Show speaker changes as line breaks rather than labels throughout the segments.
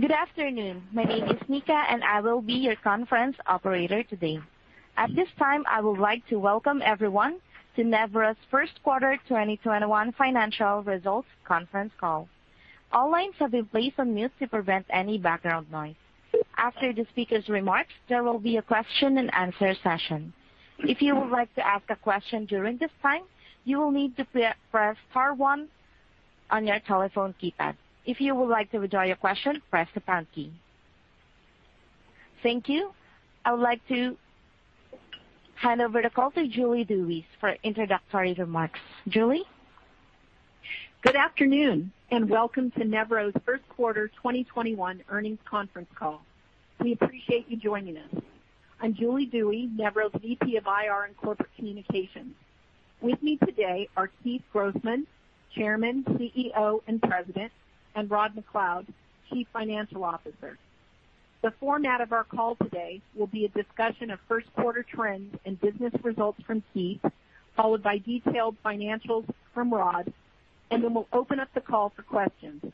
Good afternoon. My name is Nika, and I will be your conference operator today. At this time, I would like to welcome everyone to Nevro's first quarter 2021 financial results conference call. All lines have been placed on mute to prevent any background noise. After the speaker's remarks, there will be a question and answer session. If you would like to ask a question during this time, you will need to press star one on your telephone keypad. If you would like to withdraw your question, press the pound key. Thank you. I would like to hand over the call to Julie Dewey for introductory remarks. Julie?
Good afternoon, welcome to Nevro's first quarter 2021 earnings conference call. We appreciate you joining us. I'm Julie Dewey, Nevro's VP of IR and Corporate Communications. With me today are Keith Grossman, Chairman, CEO, and President, and Rod MacLeod, Chief Financial Officer. The format of our call today will be a discussion of first quarter trends and business results from Keith, followed by detailed financials from Rod, and then we'll open up the call for questions.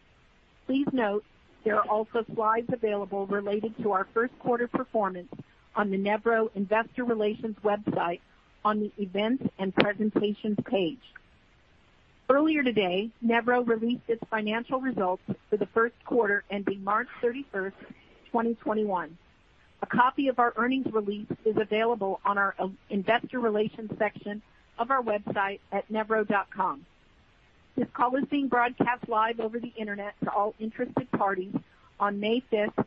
Please note there are also slides available related to our first quarter performance on the Nevro Investor Relations website on the Events and Presentations page. Earlier today, Nevro released its financial results for the first quarter ending March 31st, 2021. A copy of our earnings release is available on our investor relations section of our website at nevro.com. This call is being broadcast live over the internet to all interested parties on May 5th,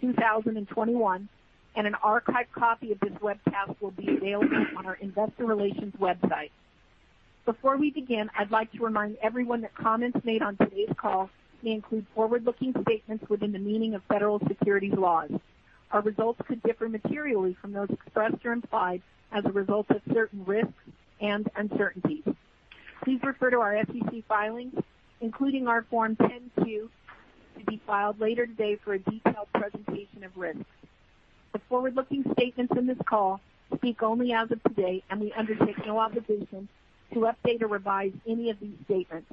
2021, and an archived copy of this webcast will be available on our investor relations website. Before we begin, I'd like to remind everyone that comments made on today's call may include forward-looking statements within the meaning of federal securities laws. Our results could differ materially from those expressed or implied as a result of certain risks and uncertainties. Please refer to our SEC filings, including our Form 10-Q to be filed later today for a detailed presentation of risks. The forward-looking statements in this call speak only as of today, and we undertake no obligation to update or revise any of these statements.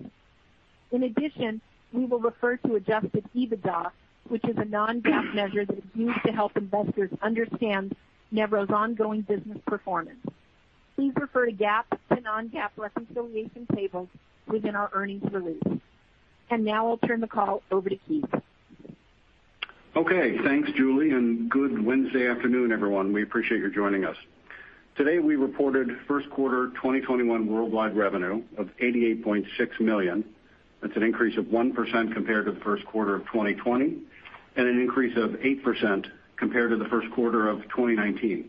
In addition, we will refer to Adjusted EBITDA, which is a non-GAAP measure that is used to help investors understand Nevro's ongoing business performance. Please refer to GAAP to non-GAAP reconciliation tables within our earnings release. Now I'll turn the call over to Keith.
Okay, thanks, Julie. Good Wednesday afternoon, everyone. We appreciate you joining us. Today we reported first quarter 2021 worldwide revenue of $88.6 million. That's an increase of 1% compared to the first quarter of 2020, and an increase of 8% compared to the first quarter of 2019.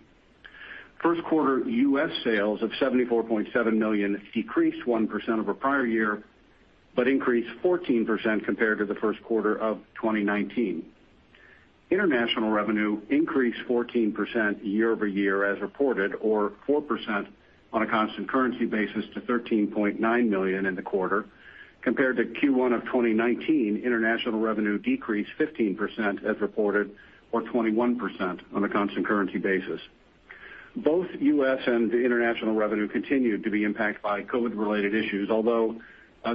First quarter US sales of $74.7 million decreased 1% over prior year, but increased 14% compared to the first quarter of 2019. International revenue increased 14% year-over-year as reported or 4% on a constant currency basis to $13.9 million in the quarter. Compared to Q1 of 2019, international revenue decreased 15% as reported or 21% on a constant currency basis. Both U.S. and the international revenue continued to be impacted by COVID-related issues, although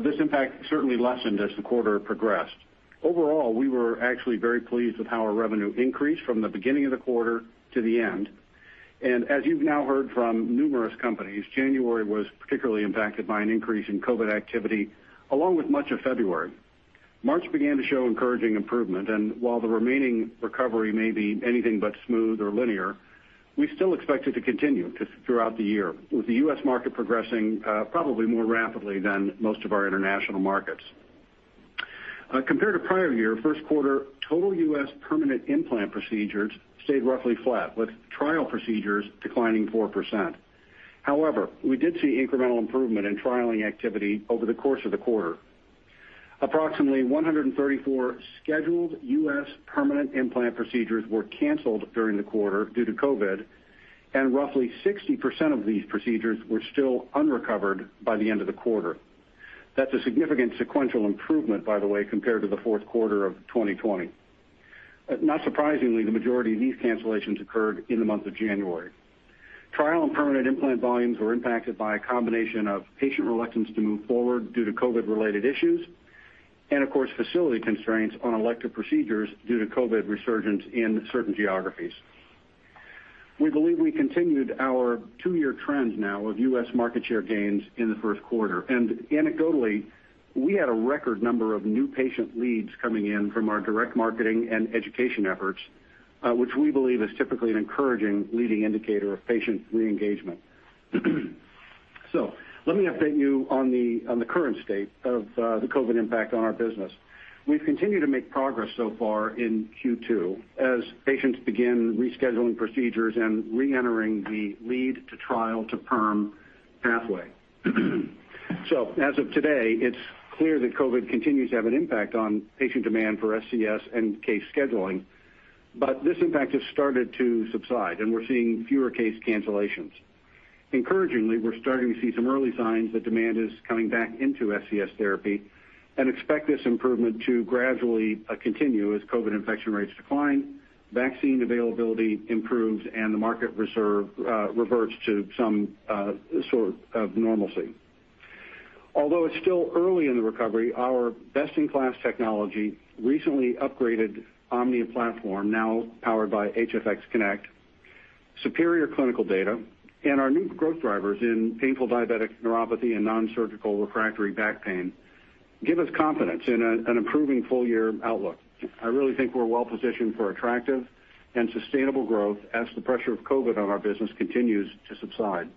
this impact certainly lessened as the quarter progressed. Overall, we were actually very pleased with how our revenue increased from the beginning of the quarter to the end. As you've now heard from numerous companies, January was particularly impacted by an increase in COVID activity along with much of February. March began to show encouraging improvement, and while the remaining recovery may be anything but smooth or linear, we still expect it to continue throughout the year, with the US market progressing probably more rapidly than most of our international markets. Compared to prior year, first quarter total U.S. permanent implant procedures stayed roughly flat, with trial procedures declining 4%. However, we did see incremental improvement in trialing activity over the course of the quarter. Approximately 134 scheduled U.S. permanent implant procedures were canceled during the quarter due to COVID, and roughly 60% of these procedures were still unrecovered by the end of the quarter. That's a significant sequential improvement, by the way, compared to the fourth quarter of 2020. Not surprisingly, the majority of these cancellations occurred in the month of January. Trial and permanent implant volumes were impacted by a combination of patient reluctance to move forward due to COVID-related issues, and of course, facility constraints on elective procedures due to COVID resurgence in certain geographies. We believe we continued our two-year trends now of US market share gains in the first quarter. Anecdotally, we had a record number of new patient leads coming in from our direct marketing and education efforts, which we believe is typically an encouraging leading indicator of patient re-engagement. Let me update you on the current state of the COVID impact on our business. We've continued to make progress so far in Q2 as patients begin rescheduling procedures and re-entering the lead to trial to perm pathway. As of today, it's clear that COVID continues to have an impact on patient demand for SCS and case scheduling, but this impact has started to subside, and we're seeing fewer case cancellations. Encouragingly, we're starting to see some early signs that demand is coming back into SCS therapy and expect this improvement to gradually continue as COVID infection rates decline, vaccine availability improves, and the market reverts to some sort of normalcy. Although it's still early in the recovery, our best-in-class technology recently upgraded Omnia platform, now powered by HFX Connect, superior clinical data, and our new growth drivers in Painful Diabetic Neuropathy and Non-Surgical Refractory Back Pain give us confidence in an improving full-year outlook. I really think we're well-positioned for attractive and sustainable growth as the pressure of COVID on our business continues to subside.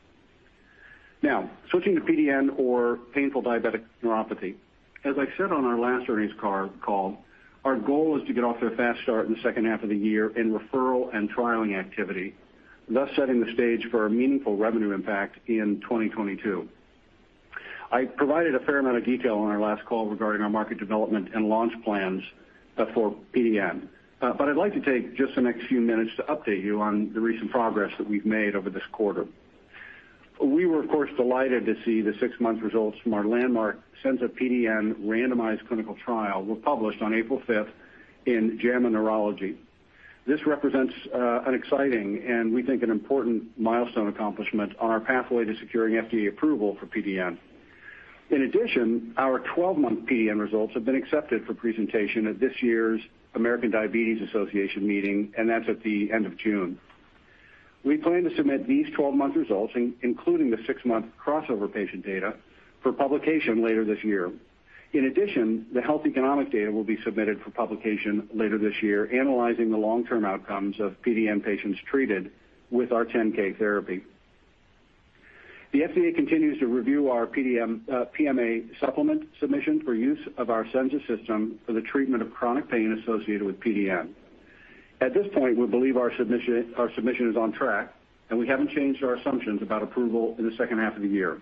Switching to PDN, or painful diabetic neuropathy. As I said on our last earnings call, our goal is to get off to a fast start in the second half of the year in referral and trialing activity, thus setting the stage for a meaningful revenue impact in 2022. I provided a fair amount of detail on our last call regarding our market development and launch plans for PDN. I'd like to take just the next few minutes to update you on the recent progress that we've made over this quarter. We were, of course, delighted to see the six-month results from our landmark SENZA-PDN randomized clinical trial were published on April 5th in JAMA Neurology. This represents an exciting and, we think, an important milestone accomplishment on our pathway to securing FDA approval for PDN. Our 12-month PDN results have been accepted for presentation at this year's American Diabetes Association meeting, and that's at the end of June. We plan to submit these 12-month results, including the six-month crossover patient data, for publication later this year. The health economic data will be submitted for publication later this year, analyzing the long-term outcomes of PDN patients treated with our 10 kHz Therapy. The FDA continues to review our PMA supplement submission for use of our Senza system for the treatment of chronic pain associated with PDN. At this point, we believe our submission is on track, and we haven't changed our assumptions about approval in the second half of the year.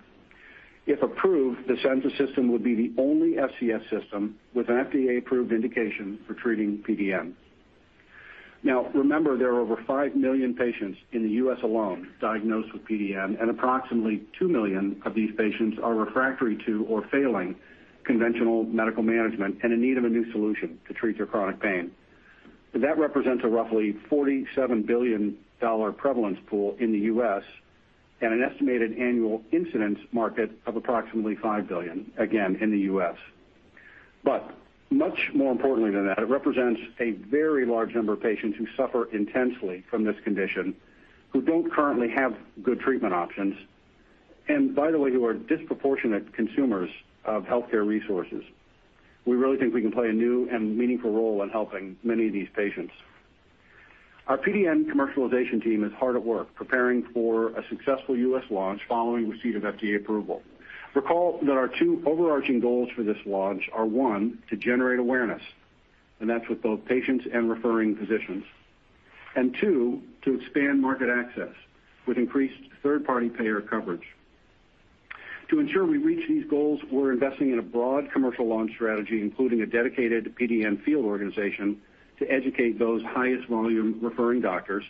If approved, the Senza system would be the only SCS system with an FDA-approved indication for treating PDN. Now, remember, there are over 5 million patients in the U.S. alone diagnosed with PDN, and approximately 2 million of these patients are refractory to or failing conventional medical management and in need of a new solution to treat their chronic pain. That represents a roughly $47 billion prevalence pool in the U.S. and an estimated annual incidence market of approximately $5 billion, again, in the U.S. Much more importantly than that, it represents a very large number of patients who suffer intensely from this condition, who don't currently have good treatment options, and by the way, who are disproportionate consumers of healthcare resources. We really think we can play a new and meaningful role in helping many of these patients. Our PDN commercialization team is hard at work preparing for a successful U.S. launch following receipt of FDA approval. Recall that our two overarching goals for this launch are, one, to generate awareness, and that's with both patients and referring physicians. Two, to expand market access with increased third-party payer coverage. To ensure we reach these goals, we're investing in a broad commercial launch strategy, including a dedicated PDN field organization to educate those highest volume referring doctors,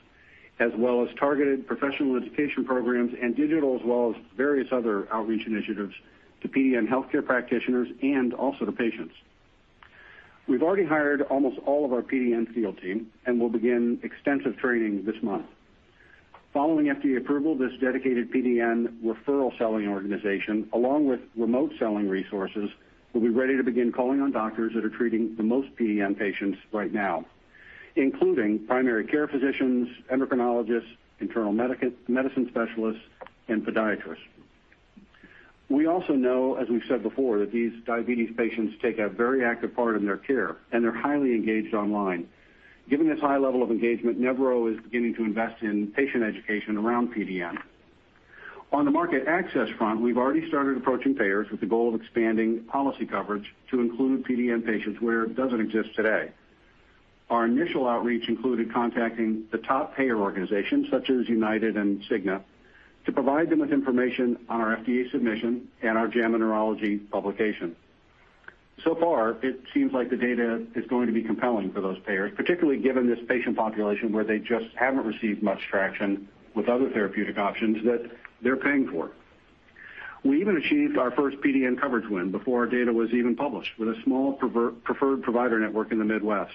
as well as targeted professional education programs and digital, as well as various other outreach initiatives to PDN healthcare practitioners and also to patients. We've already hired almost all of our PDN field team and will begin extensive training this month. Following FDA approval, this dedicated PDN referral selling organization, along with remote selling resources, will be ready to begin calling on doctors that are treating the most PDN patients right now, including primary care physicians, endocrinologists, internal medicine specialists, and podiatrists. We also know, as we've said before, that these diabetes patients take a very active part in their care, and they're highly engaged online. Given this high level of engagement, Nevro is beginning to invest in patient education around PDN. On the market access front, we've already started approaching payers with the goal of expanding policy coverage to include PDN patients where it doesn't exist today. Our initial outreach included contacting the top payer organizations, such as United and Cigna, to provide them with information on our FDA submission and our JAMA Neurology publication. Far, it seems like the data is going to be compelling for those payers, particularly given this patient population where they just haven't received much traction with other therapeutic options that they're paying for. We even achieved our first PDN coverage win before our data was even published with a small preferred provider network in the Midwest.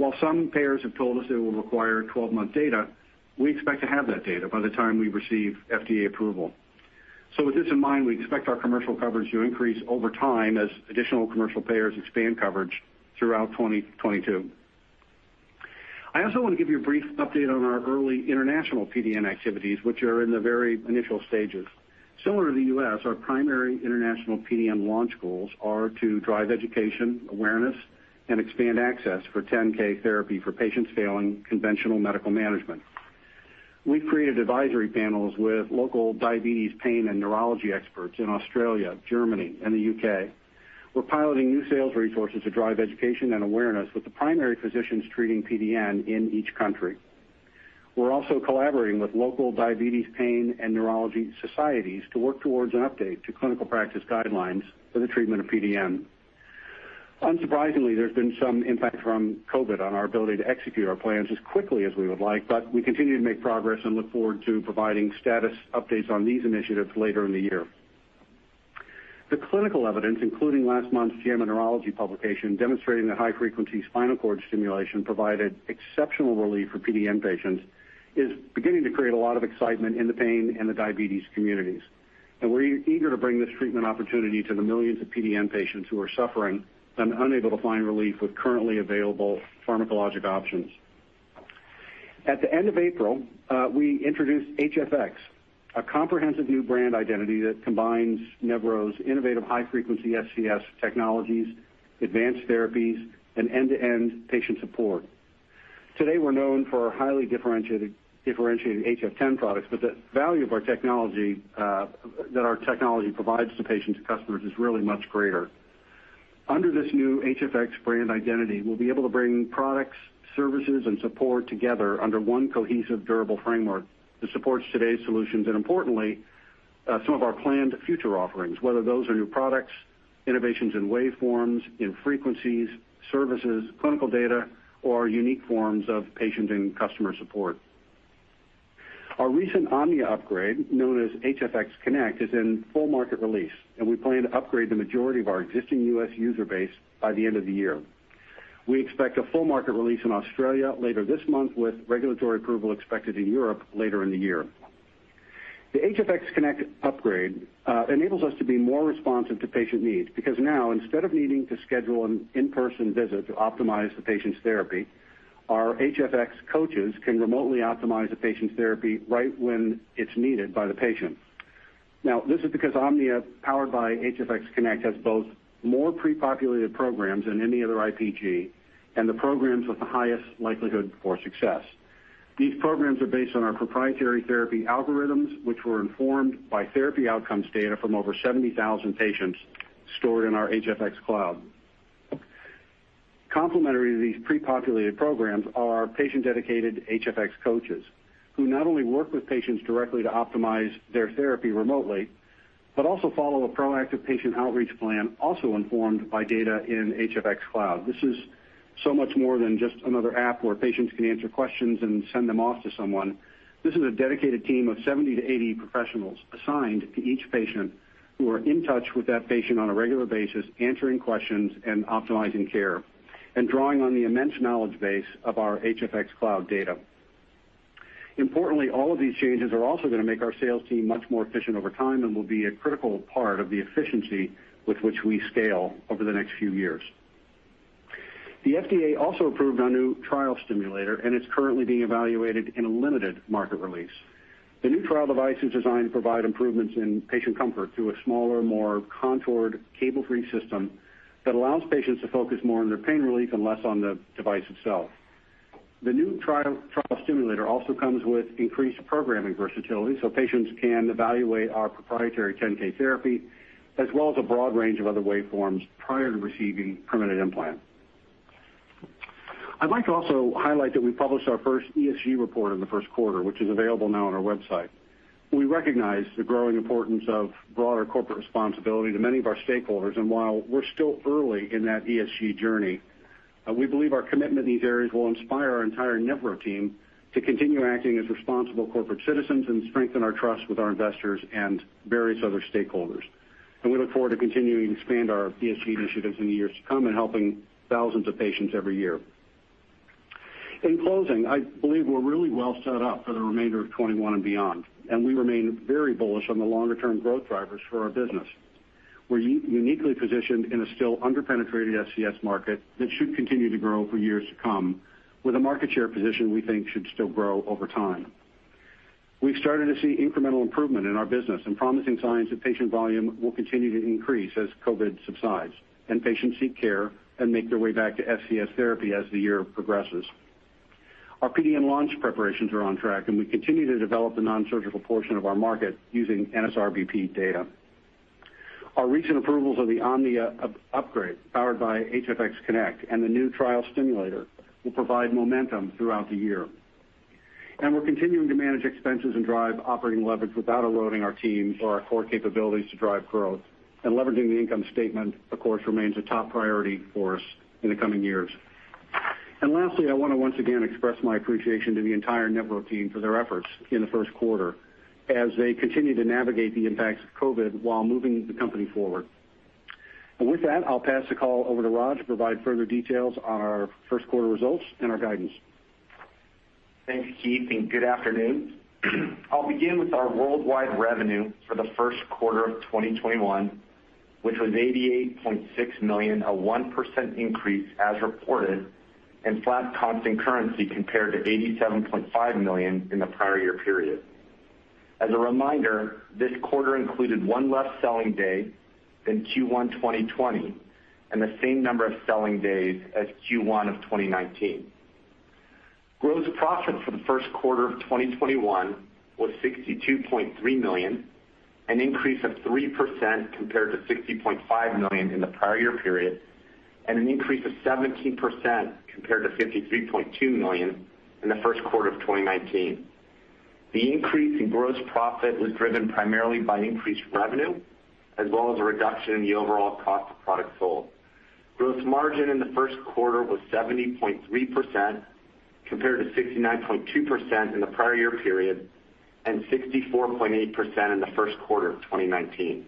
While some payers have told us they will require 12-month data, we expect to have that data by the time we receive FDA approval. With this in mind, we expect our commercial coverage to increase over time as additional commercial payers expand coverage throughout 2022. I also want to give you a brief update on our early international PDN activities, which are in the very initial stages. Similar to the U.S., our primary international PDN launch goals are to drive education, awareness, and expand access for 10 kHz Therapy for patients failing conventional medical management. We've created advisory panels with local diabetes pain and neurology experts in Australia, Germany, and the U.K. We're piloting new sales resources to drive education and awareness with the primary physicians treating PDN in each country. We're also collaborating with local diabetes pain and neurology societies to work towards an update to clinical practice guidelines for the treatment of PDN. Unsurprisingly, there's been some impact from COVID on our ability to execute our plans as quickly as we would like, but we continue to make progress and look forward to providing status updates on these initiatives later in the year. The clinical evidence, including last month's JAMA Neurology publication demonstrating that high-frequency spinal cord stimulation provided exceptional relief for PDN patients, is beginning to create a lot of excitement in the pain and the diabetes communities. We're eager to bring this treatment opportunity to the millions of PDN patients who are suffering and unable to find relief with currently available pharmacologic options. At the end of April, we introduced HFX, a comprehensive new brand identity that combines Nevro's innovative high-frequency SCS technologies, advanced therapies, and end-to-end patient support. Today, we're known for our highly differentiated HF10 products, but the value that our technology provides to patients and customers is really much greater. Under this new HFX brand identity, we'll be able to bring products, services, and support together under one cohesive, durable framework that supports today's solutions and importantly, some of our planned future offerings, whether those are new products, innovations in waveforms, in frequencies, services, clinical data, or unique forms of patient and customer support. Our recent Omnia upgrade, known as HFX Connect, is in full market release, and we plan to upgrade the majority of our existing U.S. user base by the end of the year. We expect a full market release in Australia later this month, with regulatory approval expected in Europe later in the year. The HFX Connect upgrade enables us to be more responsive to patient needs because now, instead of needing to schedule an in-person visit to optimize the patient's therapy, our HFX Coaches can remotely optimize a patient's therapy right when it's needed by the patient. Now, this is because Omnia, powered by HFX Connect, has both more pre-populated programs than any other IPG and the programs with the highest likelihood for success. These programs are based on our proprietary therapy algorithms, which were informed by therapy outcomes data from over 70,000 patients stored in our HFX Cloud. Complementary to these pre-populated programs are patient-dedicated HFX Coaches who not only work with patients directly to optimize their therapy remotely but also follow a proactive patient outreach plan also informed by data in HFX Cloud. This is so much more than just another app where patients can answer questions and send them off to someone. This is a dedicated team of 70-80 professionals assigned to each patient who are in touch with that patient on a regular basis, answering questions and optimizing care, and drawing on the immense knowledge base of our HFX Cloud data. Importantly, all of these changes are also going to make our sales team much more efficient over time and will be a critical part of the efficiency with which we scale over the next few years. The FDA also approved our new trial stimulator, and it's currently being evaluated in a limited market release. The new trial device is designed to provide improvements in patient comfort through a smaller, more contoured cable-free system that allows patients to focus more on their pain relief and less on the device itself. The new trial stimulator also comes with increased programming versatility. Patients can evaluate our proprietary 10 kHz Therapy, as well as a broad range of other waveforms prior to receiving permanent implant. I'd like to also highlight that we published our first ESG report in the first quarter, which is available now on our website. We recognize the growing importance of broader corporate responsibility to many of our stakeholders, and while we're still early in that ESG journey, we believe our commitment in these areas will inspire our entire Nevro team to continue acting as responsible corporate citizens and strengthen our trust with our investors and various other stakeholders. We look forward to continuing to expand our ESG initiatives in the years to come and helping thousands of patients every year. In closing, I believe we're really well set up for the remainder of 2021 and beyond, and we remain very bullish on the longer-term growth drivers for our business. We're uniquely positioned in a still under-penetrated SCS market that should continue to grow for years to come with a market share position we think should still grow over time. We've started to see incremental improvement in our business and promising signs that patient volume will continue to increase as COVID subsides and patients seek care and make their way back to SCS therapy as the year progresses. Our PDN launch preparations are on track, and we continue to develop the nonsurgical portion of our market using NSRBP data. Our recent approvals of the Omnia upgrade powered by HFX Connect and the new trial stimulator will provide momentum throughout the year. We're continuing to manage expenses and drive operating leverage without eroding our teams or our core capabilities to drive growth. Leveraging the income statement, of course, remains a top priority for us in the coming years. Lastly, I want to once again express my appreciation to the entire Nevro team for their efforts in the first quarter as they continue to navigate the impacts of COVID while moving the company forward. With that, I'll pass the call over to Rod to provide further details on our first quarter results and our guidance.
Thanks, Keith, and good afternoon. I'll begin with our worldwide revenue for the first quarter of 2021, which was $88.6 million, a 1% increase as reported and flat constant currency compared to $87.5 million in the prior year period. As a reminder, this quarter included one less selling day than Q1 2020 and the same number of selling days as Q1 of 2019. Gross profit for the first quarter of 2021 was $62.3 million, an increase of 3% compared to $60.5 million in the prior year period, and an increase of 17% compared to $53.2 million in the first quarter of 2019. The increase in gross profit was driven primarily by increased revenue as well as a reduction in the overall cost of products sold. Gross margin in the first quarter was 70.3% compared to 69.2% in the prior year period and 64.8% in the first quarter of 2019.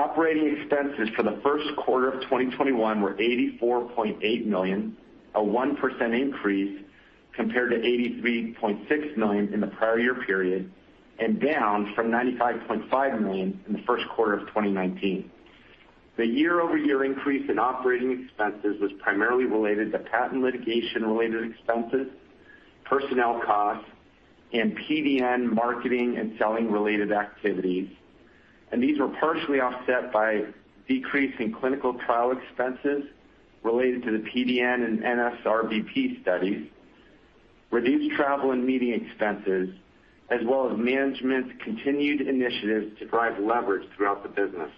Operating expenses for the first quarter of 2021 were $84.8 million, a 1% increase compared to $83.6 million in the prior year period, and down from $95.5 million in the first quarter of 2019. The year-over-year increase in operating expenses was primarily related to patent litigation related expenses, personnel costs, and PDN marketing and selling related activities. These were partially offset by a decrease in clinical trial expenses related to the PDN and NSRBP studies, reduced travel and meeting expenses, as well as management's continued initiatives to drive leverage throughout the business.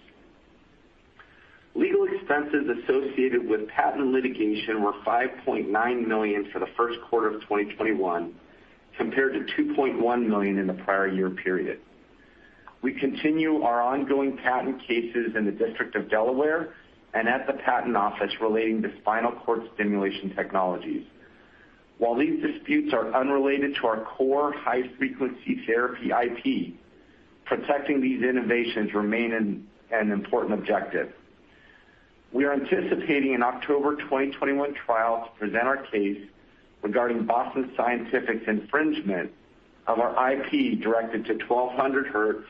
Legal expenses associated with patent litigation were $5.9 million for the first quarter of 2021 compared to $2.1 million in the prior year period. We continue our ongoing patent cases in the District of Delaware and at the patent office relating to spinal cord stimulation technologies. While these disputes are unrelated to our core high-frequency therapy IP, protecting these innovations remain an important objective. We are anticipating an October 2021 trial to present our case regarding Boston Scientific's infringement of our IP directed to 1,200 Hz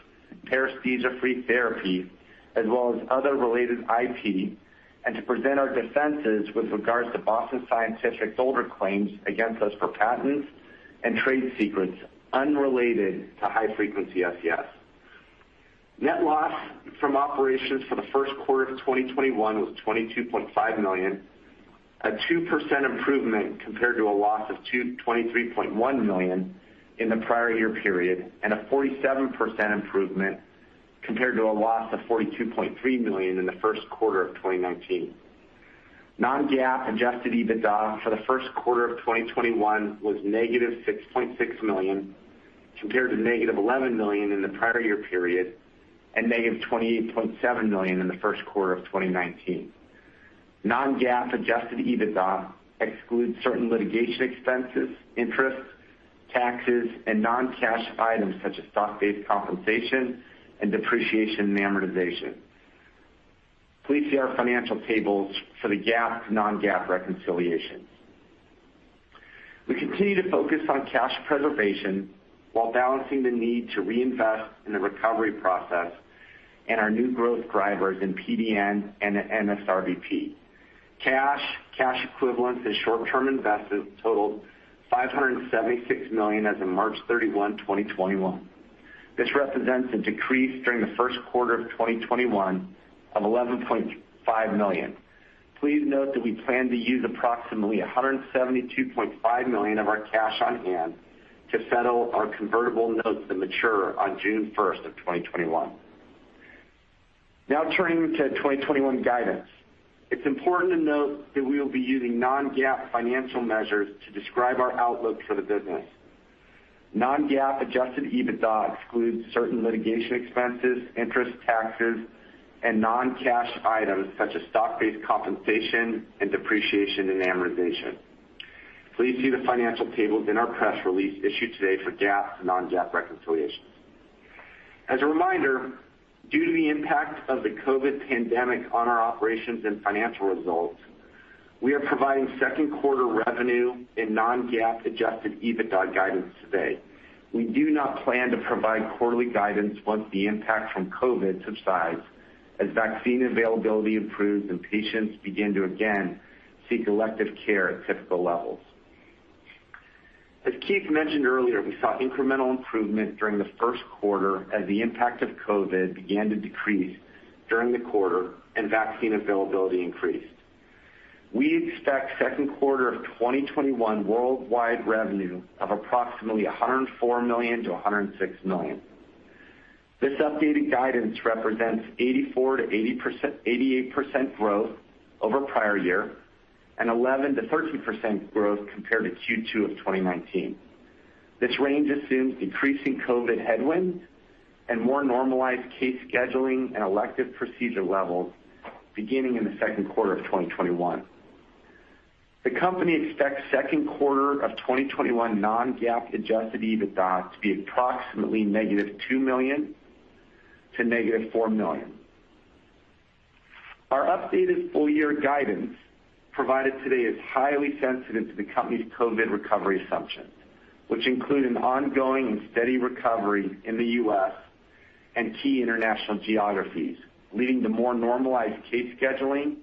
paresthesia-free therapy, as well as other related IP, and to present our defenses with regards to Boston Scientific's older claims against us for patents and trade secrets unrelated to high-frequency SCS. Net loss from operations for the first quarter of 2021 was $22.5 million, a 2% improvement compared to a loss of $23.1 million in the prior year period, and a 47% improvement compared to a loss of $42.3 million in the first quarter of 2019. Non-GAAP Adjusted EBITDA for the first quarter of 2021 was negative $6.6 million, compared to negative $11 million in the prior year period, and negative $28.7 million in the first quarter of 2019. Non-GAAP Adjusted EBITDA excludes certain litigation expenses, interest, taxes, and non-cash items such as stock-based compensation and depreciation and amortization. Please see our financial tables for the GAAP to non-GAAP reconciliations. We continue to focus on cash preservation while balancing the need to reinvest in the recovery process and our new growth drivers in PDN and NSRBP. Cash, cash equivalents, and short-term investments totaled $576 million as of March 31, 2021. This represents a decrease during the first quarter of 2021 of $11.5 million. Please note that we plan to use approximately $172.5 million of our cash on hand to settle our convertible notes that mature on June 1st of 2021. Turning to 2021 guidance. It's important to note that we will be using non-GAAP financial measures to describe our outlook for the business. non-GAAP Adjusted EBITDA excludes certain litigation expenses, interest, taxes, and non-cash items such as stock-based compensation and depreciation and amortization. Please see the financial table in our press release issued today for GAAP to non-GAAP reconciliations. As a reminder, due to the impact of the COVID pandemic on our operations and financial results, we are providing second quarter revenue and non-GAAP Adjusted EBITDA guidance today. We do not plan to provide quarterly guidance once the impact from COVID subsides, as vaccine availability improves and patients begin to again seek elective care at typical levels. As Keith mentioned earlier, we saw incremental improvement during the first quarter as the impact of COVID began to decrease during the quarter and vaccine availability increased. We expect second quarter of 2021 worldwide revenue of approximately $104 million-$106 million. This updated guidance represents 84%-88% growth over prior year and 11%-13% growth compared to Q2 of 2019. This range assumes decreasing COVID headwinds and more normalized case scheduling and elective procedure levels beginning in the second quarter of 2021. The company expects second quarter of 2021 non-GAAP Adjusted EBITDA to be approximately -$2 million to -$4 million. Our updated full year guidance provided today is highly sensitive to the company's COVID recovery assumptions, which include an ongoing and steady recovery in the U.S. and key international geographies, leading to more normalized case scheduling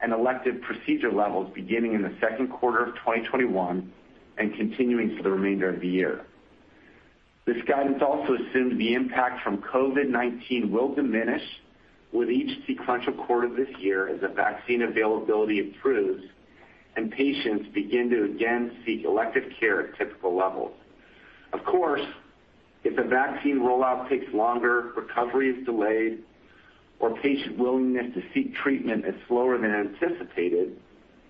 and elective procedure levels beginning in the second quarter of 2021 and continuing for the remainder of the year. This guidance also assumes the impact from COVID-19 will diminish with each sequential quarter this year as the vaccine availability improves and patients begin to again seek elective care at typical levels. Of course, if the vaccine rollout takes longer, recovery is delayed, or patient willingness to seek treatment is slower than anticipated,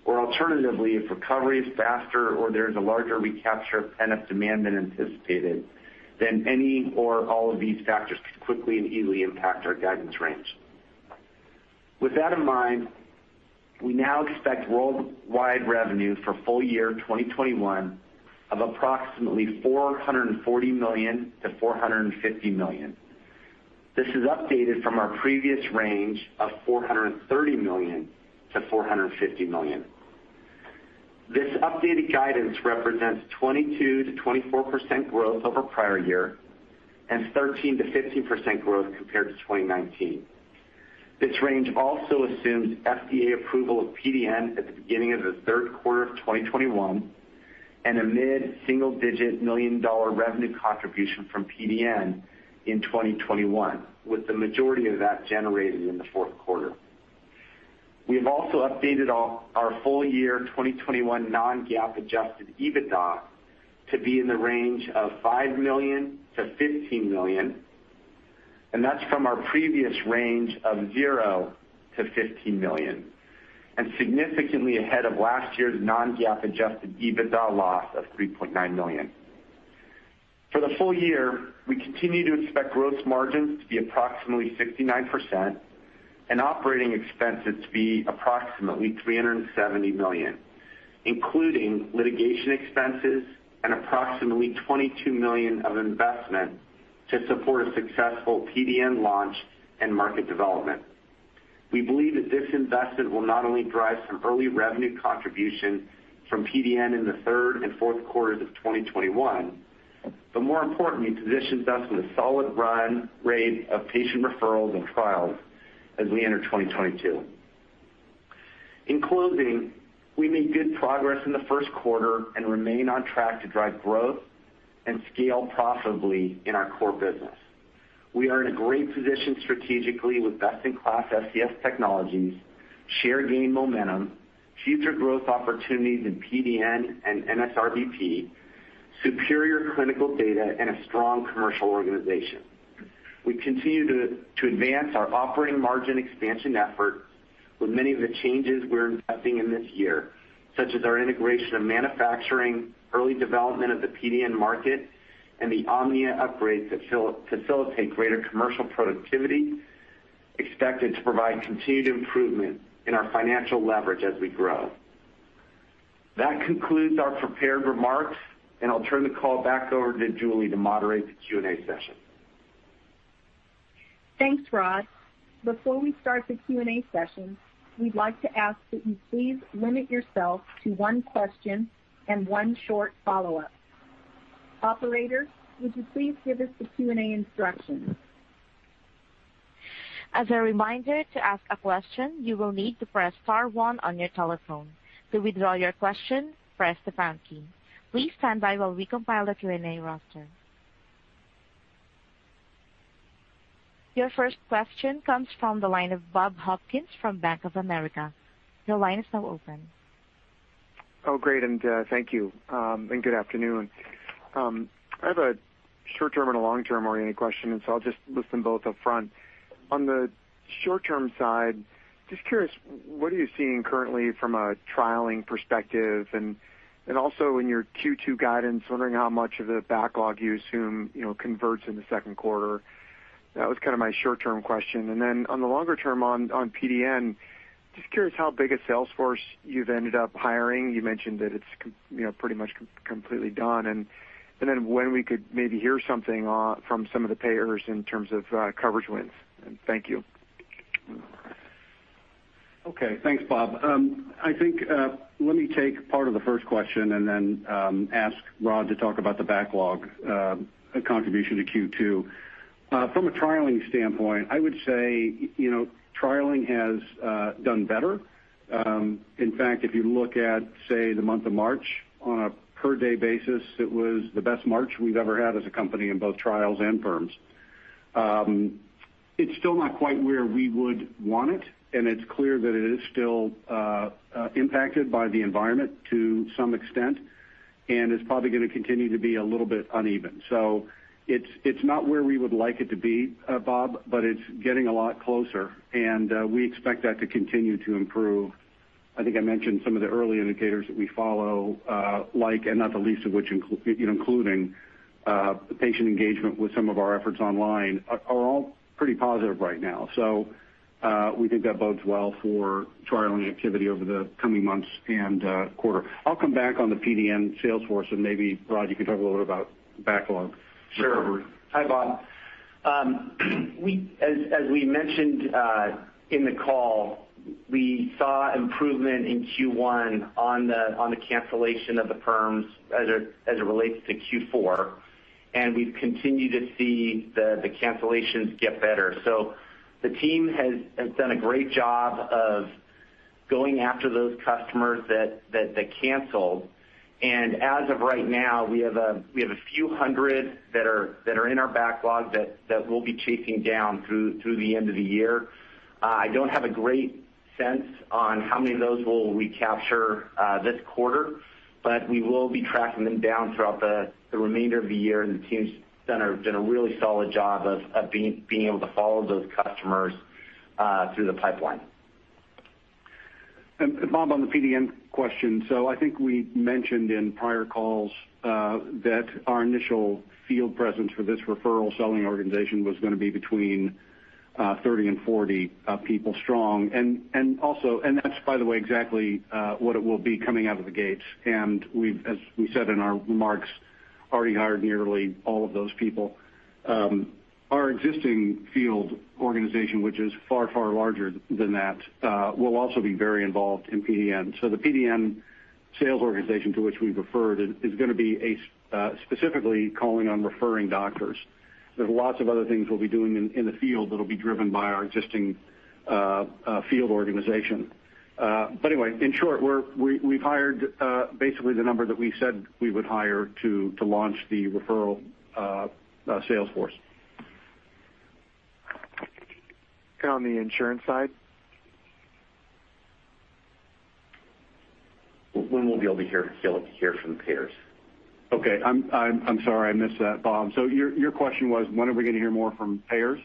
or alternatively, if recovery is faster or there is a larger recapture of pent-up demand than anticipated, then any or all of these factors could quickly and easily impact our guidance range. With that in mind, we now expect worldwide revenue for full year 2021 of approximately $440 million-$450 million. This is updated from our previous range of $430 million-$450 million. This updated guidance represents 22%-24% growth over prior year and 13%-15% growth compared to 2019. This range also assumes FDA approval of PDN at the beginning of the third quarter of 2021, and a mid-single-digit million-dollar revenue contribution from PDN in 2021, with the majority of that generated in the fourth quarter. We have also updated our full-year 2021 non-GAAP Adjusted EBITDA to be in the range of $5 million-$15 million, and that's from our previous range of $0-$15 million, and significantly ahead of last year's non-GAAP Adjusted EBITDA loss of $3.9 million. For the full year, we continue to expect gross margins to be approximately 69% and operating expenses to be approximately $370 million, including litigation expenses and approximately $22 million of investment to support a successful PDN launch and market development. We believe that this investment will not only drive some early revenue contribution from PDN in the third and fourth quarters of 2021, but more importantly, it positions us in a solid run-rate of patient referrals and trials as we enter 2022. In closing, we made good progress in the first quarter and remain on track to drive growth and scale profitably in our core business. We are in a great position strategically with best-in-class SCS technologies, share gain momentum, future growth opportunities in PDN and NSRBP, superior clinical data, and a strong commercial organization. We continue to advance our operating margin expansion effort with many of the changes we're investing in this year, such as our integration of manufacturing, early development of the PDN market, and the Omnia upgrade to facilitate greater commercial productivity expected to provide continued improvement in our financial leverage as we grow. That concludes our prepared remarks, and I'll turn the call back over to Julie to moderate the Q&A session.
Thanks, Rod. Before we start the Q&A session, we'd like to ask that you please limit yourself to one question and one short follow-up. Operator, would you please give us the Q&A instructions?
As a reminder, to ask a question, you will need to press star one on your telephone. To withdraw your question, press the pound key. Please stand by while we compile the Q&A roster. Your first question comes from the line of Bob Hopkins from Bank of America. Your line is now open.
Oh, great, and thank you. Good afternoon. I have a short-term and a long-term oriented question. I'll just list them both up front. On the short-term side, just curious, what are you seeing currently from a trialing perspective? Also in your Q2 guidance, wondering how much of the backlog you assume converts in the second quarter. That was my short-term question. On the longer term on PDN, just curious how big a sales force you've ended up hiring. You mentioned that it's pretty much completely done. When we could maybe hear something from some of the payers in terms of coverage wins. Thank you.
Okay. Thanks, Bob. I think let me take part of the first question and then ask Rod to talk about the backlog contribution to Q2. From a trialing standpoint, I would say, trialing has done better. In fact, if you look at, say, the month of March on a per-day basis, it was the best March we've ever had as a company in both trials and perms. It's still not quite where we would want it, and it's clear that it is still impacted by the environment to some extent, and it's probably going to continue to be a little bit uneven. It's not where we would like it to be, Bob, but it's getting a lot closer, and we expect that to continue to improve. I think I mentioned some of the early indicators that we follow, like, and not the least of which including patient engagement with some of our efforts online are all pretty positive right now. We think that bodes well for trialing activity over the coming months and quarter. I'll come back on the PDN sales force, and maybe, Rod, you can talk a little about backlog recovery.
Sure. Hi, Bob. As we mentioned in the call, we saw improvement in Q1 on the cancellation of the forms as it relates to Q4. We've continued to see the cancellations get better. The team has done a great job of going after those customers that they canceled, and as of right now, we have a few 100 that are in our backlog that we'll be chasing down through the end of the year. I don't have a great sense on how many of those we'll recapture this quarter, but we will be tracking them down throughout the remainder of the year. The team's done a really solid job of being able to follow those customers through the pipeline.
Bob, on the PDN question. I think we mentioned in prior calls that our initial field presence for this referral selling organization was going to be between 30 and 40 people strong. That's, by the way, exactly what it will be coming out of the gates. As we said in our remarks, already hired nearly all of those people. Our existing field organization, which is far, far larger than that, will also be very involved in PDN. The PDN sales organization to which we referred is going to be specifically calling on referring doctors. There's lots of other things we'll be doing in the field that'll be driven by our existing field organization. Anyway, in short, we've hired basically the number that we said we would hire to launch the referral sales force.
On the insurance side? When will we be able to hear from the payers?
Okay. I'm sorry I missed that, Bob. Your question was, when are we going to hear more from payers?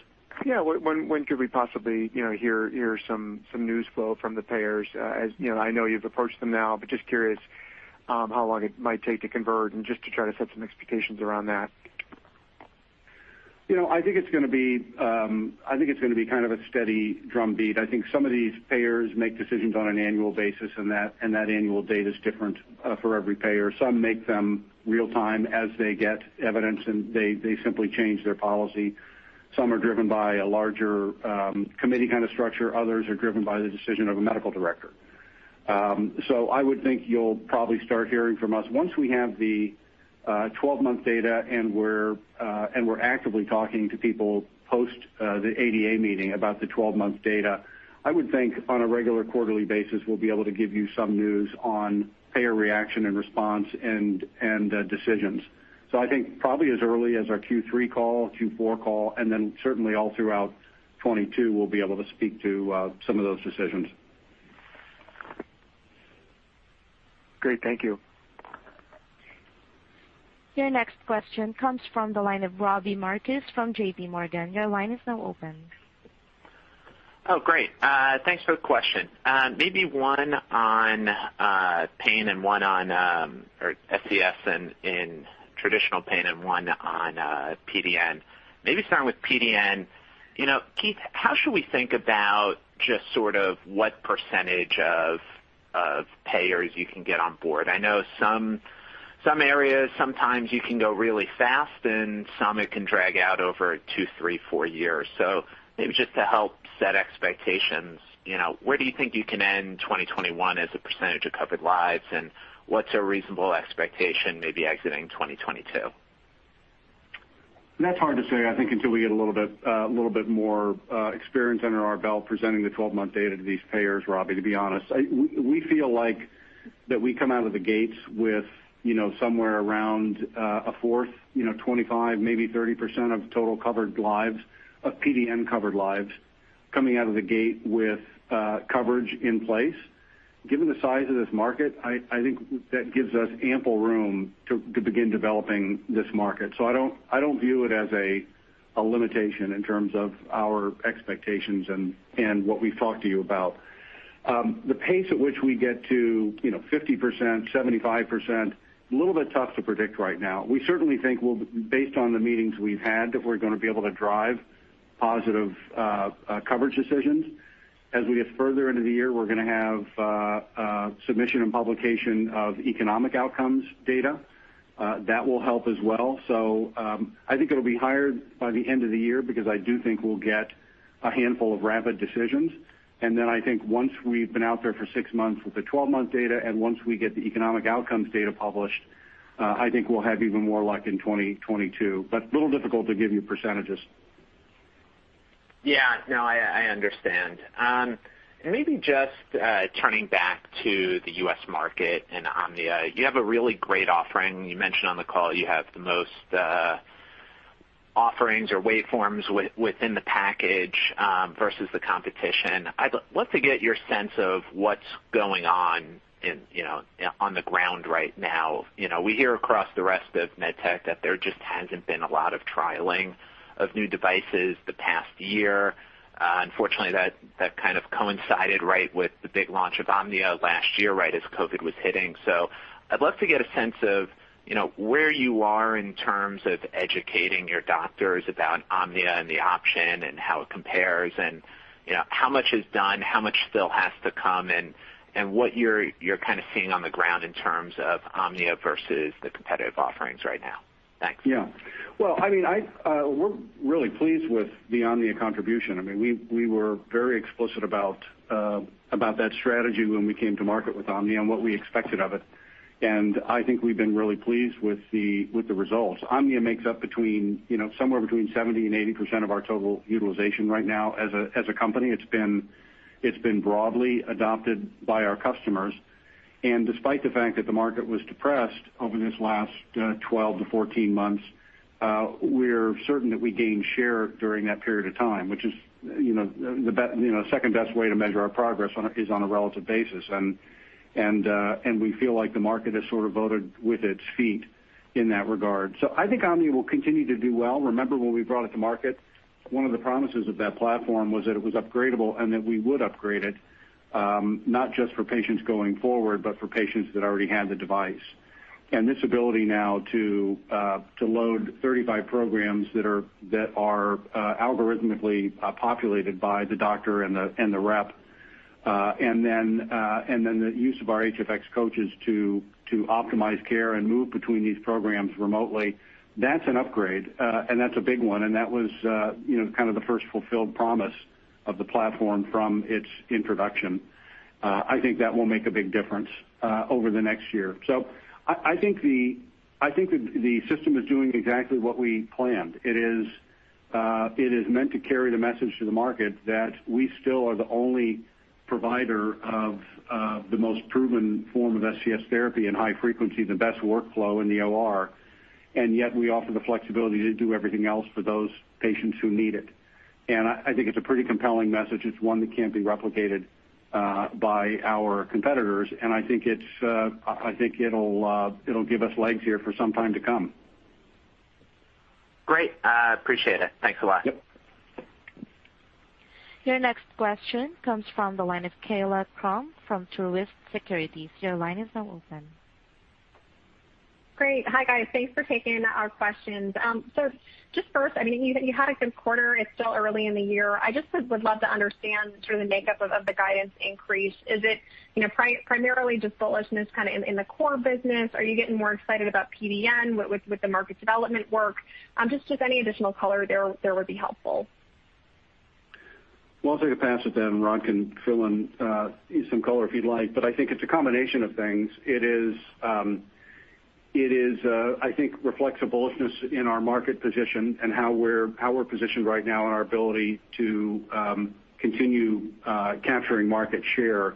When could we possibly hear some news flow from the payers? I know you've approached them now, but just curious how long it might take to convert and just to try to set some expectations around that.
I think it's going to be kind of a steady drum beat. I think some of these payers make decisions on an annual basis, and that annual date is different for every payer. Some make them real time as they get evidence, and they simply change their policy. Some are driven by a larger committee kind of structure. Others are driven by the decision of a medical director. I would think you'll probably start hearing from us. Once we have the 12-month data and we're actively talking to people post the ADA meeting about the 12-month data, I would think on a regular quarterly basis, we'll be able to give you some news on payer reaction and response and decisions. I think probably as early as our Q3 call, Q4 call, and then certainly all throughout 2022, we'll be able to speak to some of those decisions.
Great. Thank you.
Your next question comes from the line of Robbie Marcus from JPMorgan. Your line is now open.
Oh, great. Thanks for the question. Maybe one on pain and one or SCS in traditional pain and one on PDN. Maybe starting with PDN. Keith, how should we think about just sort of what percentage of payers you can get on board? I know some areas, sometimes you can go really fast, and some it can drag out over two, three, four years. Maybe just to help set expectations, where do you think you can end 2021 as a percentage of covered lives, and what's a reasonable expectation maybe exiting 2022?
That's hard to say, I think until we get a little bit more experience under our belt presenting the 12-month data to these payers, Robbie, to be honest. We feel like that we come out of the gates with somewhere around a 4th, 25%, maybe 30% of total covered lives, of PDN covered lives, coming out of the gate with coverage in place. Given the size of this market, I think that gives us ample room to begin developing this market. I don't view it as a limitation in terms of our expectations and what we've talked to you about. The pace at which we get to 50%, 75%, a little bit tough to predict right now. We certainly think based on the meetings we've had, that we're going to be able to drive positive coverage decisions. As we get further into the year, we're going to have submission and publication of economic outcomes data. That will help as well. I think it'll be higher by the end of the year because I do think we'll get a handful of rapid decisions. I think once we've been out there for six months with the 12-month data, and once we get the economic outcomes data published, I think we'll have even more luck in 2022. A little difficult to give you percentages.
Yeah. No, I understand. Maybe just turning back to the US market and Omnia. You have a really great offering. You mentioned on the call you have the most offerings or wave forms within the package versus the competition. I'd love to get your sense of what's going on the ground right now. We hear across the rest of medtech that there just hasn't been a lot of trialing of new devices the past year. Unfortunately, that kind of coincided right with the big launch of Omnia last year, right as COVID was hitting. I'd love to get a sense of where you are in terms of educating your doctors about Omnia and the option and how it compares, and how much is done, how much still has to come, and what you're kind of seeing on the ground in terms of Omnia versus the competitive offerings right now. Thanks.
Yeah. Well, we're really pleased with the Omnia contribution. We were very explicit about that strategy when we came to market with Omnia and what we expected of it. I think we've been really pleased with the results. Omnia makes up somewhere between 70% and 80% of our total utilization right now as a company. It's been broadly adopted by our customers. Despite the fact that the market was depressed over this last 12-14 months, we're certain that we gained share during that period of time, which is the second-best way to measure our progress is on a relative basis. We feel like the market has sort of voted with its feet in that regard. I think Omnia will continue to do well. Remember when we brought it to market, one of the promises of that platform was that it was upgradable and that we would upgrade it, not just for patients going forward, but for patients that already had the device. This ability now to load 35 programs that are algorithmically populated by the doctor and the rep, and then the use of our HFX Coach to optimize care and move between these programs remotely, that's an upgrade. That's a big one, and that was kind of the first fulfilled promise of the platform from its introduction. I think that will make a big difference over the next year. I think the system is doing exactly what we planned. It is meant to carry the message to the market that we still are the only provider of the most proven form of SCS therapy and high frequency, the best workflow in the OR, and yet we offer the flexibility to do everything else for those patients who need it. I think it's a pretty compelling message. It's one that can't be replicated by our competitors, and I think it'll give us legs here for some time to come.
Great. Appreciate it. Thanks a lot.
Yep.
Your next question comes from the line of Kaila Krum from Truist Securities. Your line is now open.
Great. Hi, guys. Thanks for taking our questions. Just first, you had a good quarter. It's still early in the year. I just would love to understand sort of the makeup of the guidance increase. Is it primarily just bullishness kind of in the core business? Are you getting more excited about PDN with the market development work? Just any additional color there would be helpful.
Well, I'll take a pass at that, and Rod can fill in some color if he'd like. I think it's a combination of things. It is, I think, reflects a bullishness in our market position and how we're positioned right now in our ability to continue capturing market share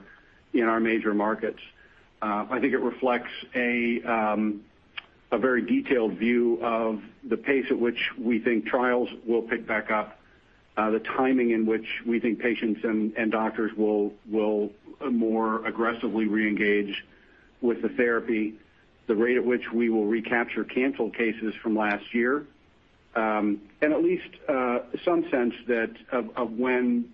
in our major markets. I think it reflects a very detailed view of the pace at which we think trials will pick back up, the timing in which we think patients and doctors will more aggressively reengage with the therapy, the rate at which we will recapture canceled cases from last year. At least some sense of when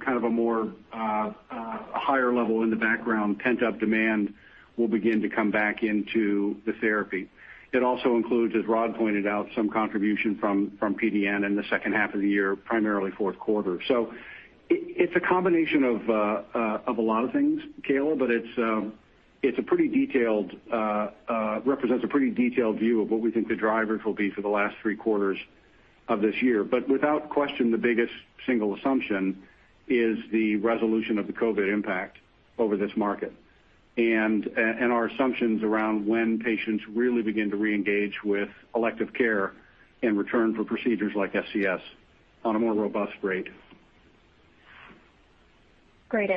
kind of a more higher level in the background pent-up demand will begin to come back into the therapy. It also includes, as Rod pointed out, some contribution from PDN in the second half of the year, primarily fourth quarter. It's a combination of a lot of things, Kaila, but it represents a pretty detailed view of what we think the drivers will be for the last three quarters of this year. Without question, the biggest single assumption is the resolution of the COVID impact over this market and our assumptions around when patients really begin to reengage with elective care and return for procedures like SCS on a more robust rate.
Great.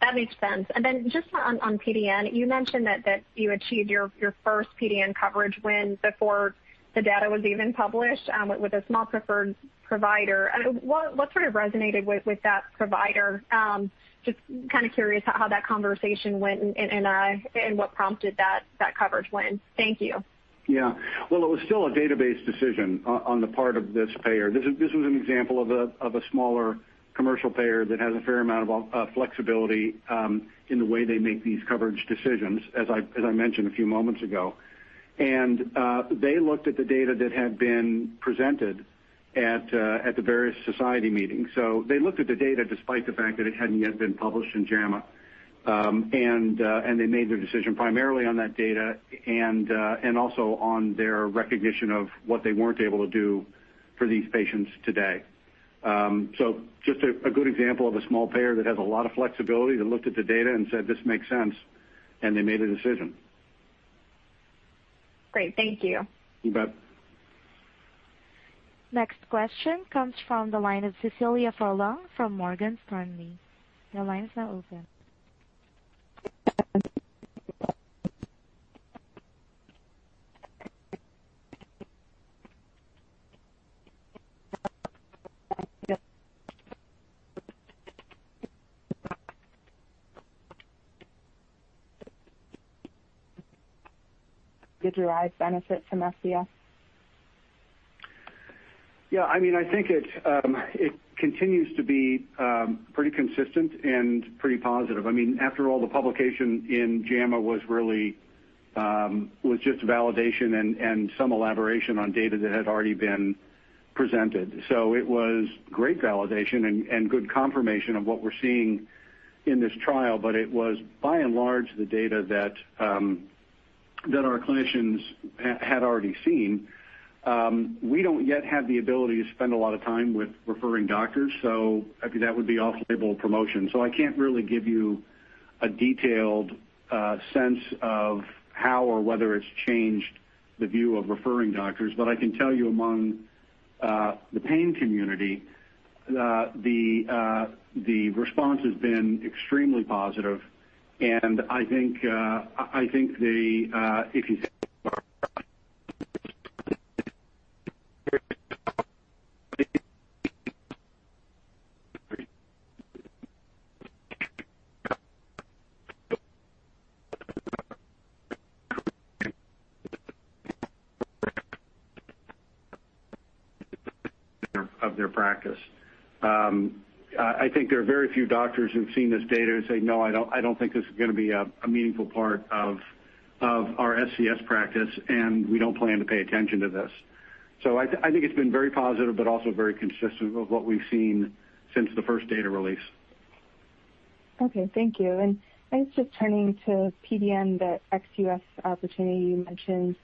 That makes sense. Just on PDN, you mentioned that you achieved your first PDN coverage win before the data was even published with a small preferred provider. What sort of resonated with that provider? Just kind of curious how that conversation went and what prompted that coverage win. Thank you.
Yeah. Well, it was still a database decision on the part of this payer. This was an example of a smaller commercial payer that has a fair amount of flexibility in the way they make these coverage decisions, as I mentioned a few moments ago. They looked at the data that had been presented at the various society meetings. They looked at the data despite the fact that it hadn't yet been published in JAMA. They made their decision primarily on that data and also on their recognition of what they weren't able to do for these patients today. Just a good example of a small payer that has a lot of flexibility, that looked at the data and said, "This makes sense," and they made a decision.
Great. Thank you.
You bet.
Next question comes from the line of Cecilia Furlong from Morgan Stanley.
Did your eyes benefit from SCS?
Yeah, I think it continues to be pretty consistent and pretty positive. After all, the publication in JAMA was just validation and some elaboration on data that had already been presented. It was great validation and good confirmation of what we're seeing in this trial, but it was by and large the data that our clinicians had already seen. We don't yet have the ability to spend a lot of time with referring doctors, so I mean, that would be off-label promotion. I can't really give you a detailed sense of how or whether it's changed the view of referring doctors. I can tell you among the pain community, the response has been extremely positive. I think there are very few doctors who've seen this data and say, "No, I don't think this is going to be a meaningful part of our SCS practice, and we don't plan to pay attention to this." I think it's been very positive, but also very consistent with what we've seen since the first data release.
Okay. Thank you. I guess just turning to PDN, that ex-U.S. opportunity you mentioned.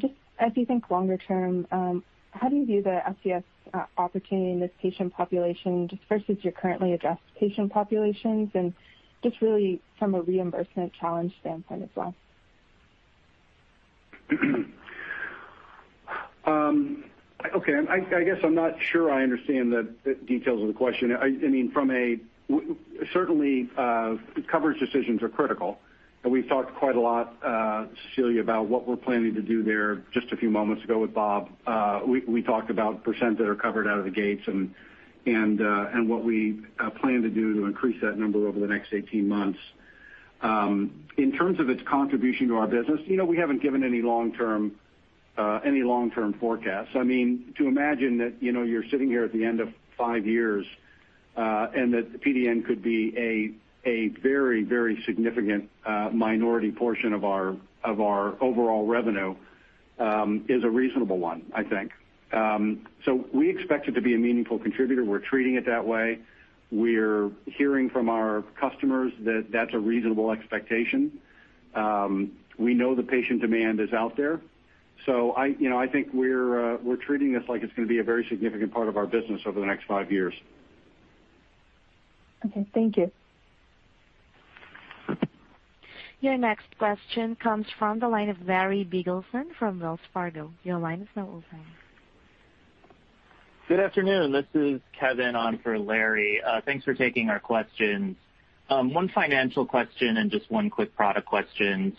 Just as you think longer term, how do you view the SCS opportunity in this patient population just versus your currently addressed patient populations and just really from a reimbursement challenge standpoint as well?
Okay. I guess I'm not sure I understand the details of the question. Certainly, coverage decisions are critical, and we've talked quite a lot, Cecilia, about what we're planning to do there just a few moments ago with Bob. We talked about percent that are covered out of the gates and what we plan to do to increase that number over the next 18 months. In terms of its contribution to our business, we haven't given any long-term forecasts. To imagine that you're sitting here at the end of five years, and that the PDN could be a very significant minority portion of our overall revenue, is a reasonable one, I think. We expect it to be a meaningful contributor. We're treating it that way. We're hearing from our customers that that's a reasonable expectation. We know the patient demand is out there, so I think we're treating this like it's going to be a very significant part of our business over the next five years.
Okay. Thank you.
Your next question comes from the line of Larry Biegelsen from Wells Fargo. Your line is now open.
Good afternoon. This is Kevin on for Larry. Thanks for taking our questions. One financial question and just one quick product question.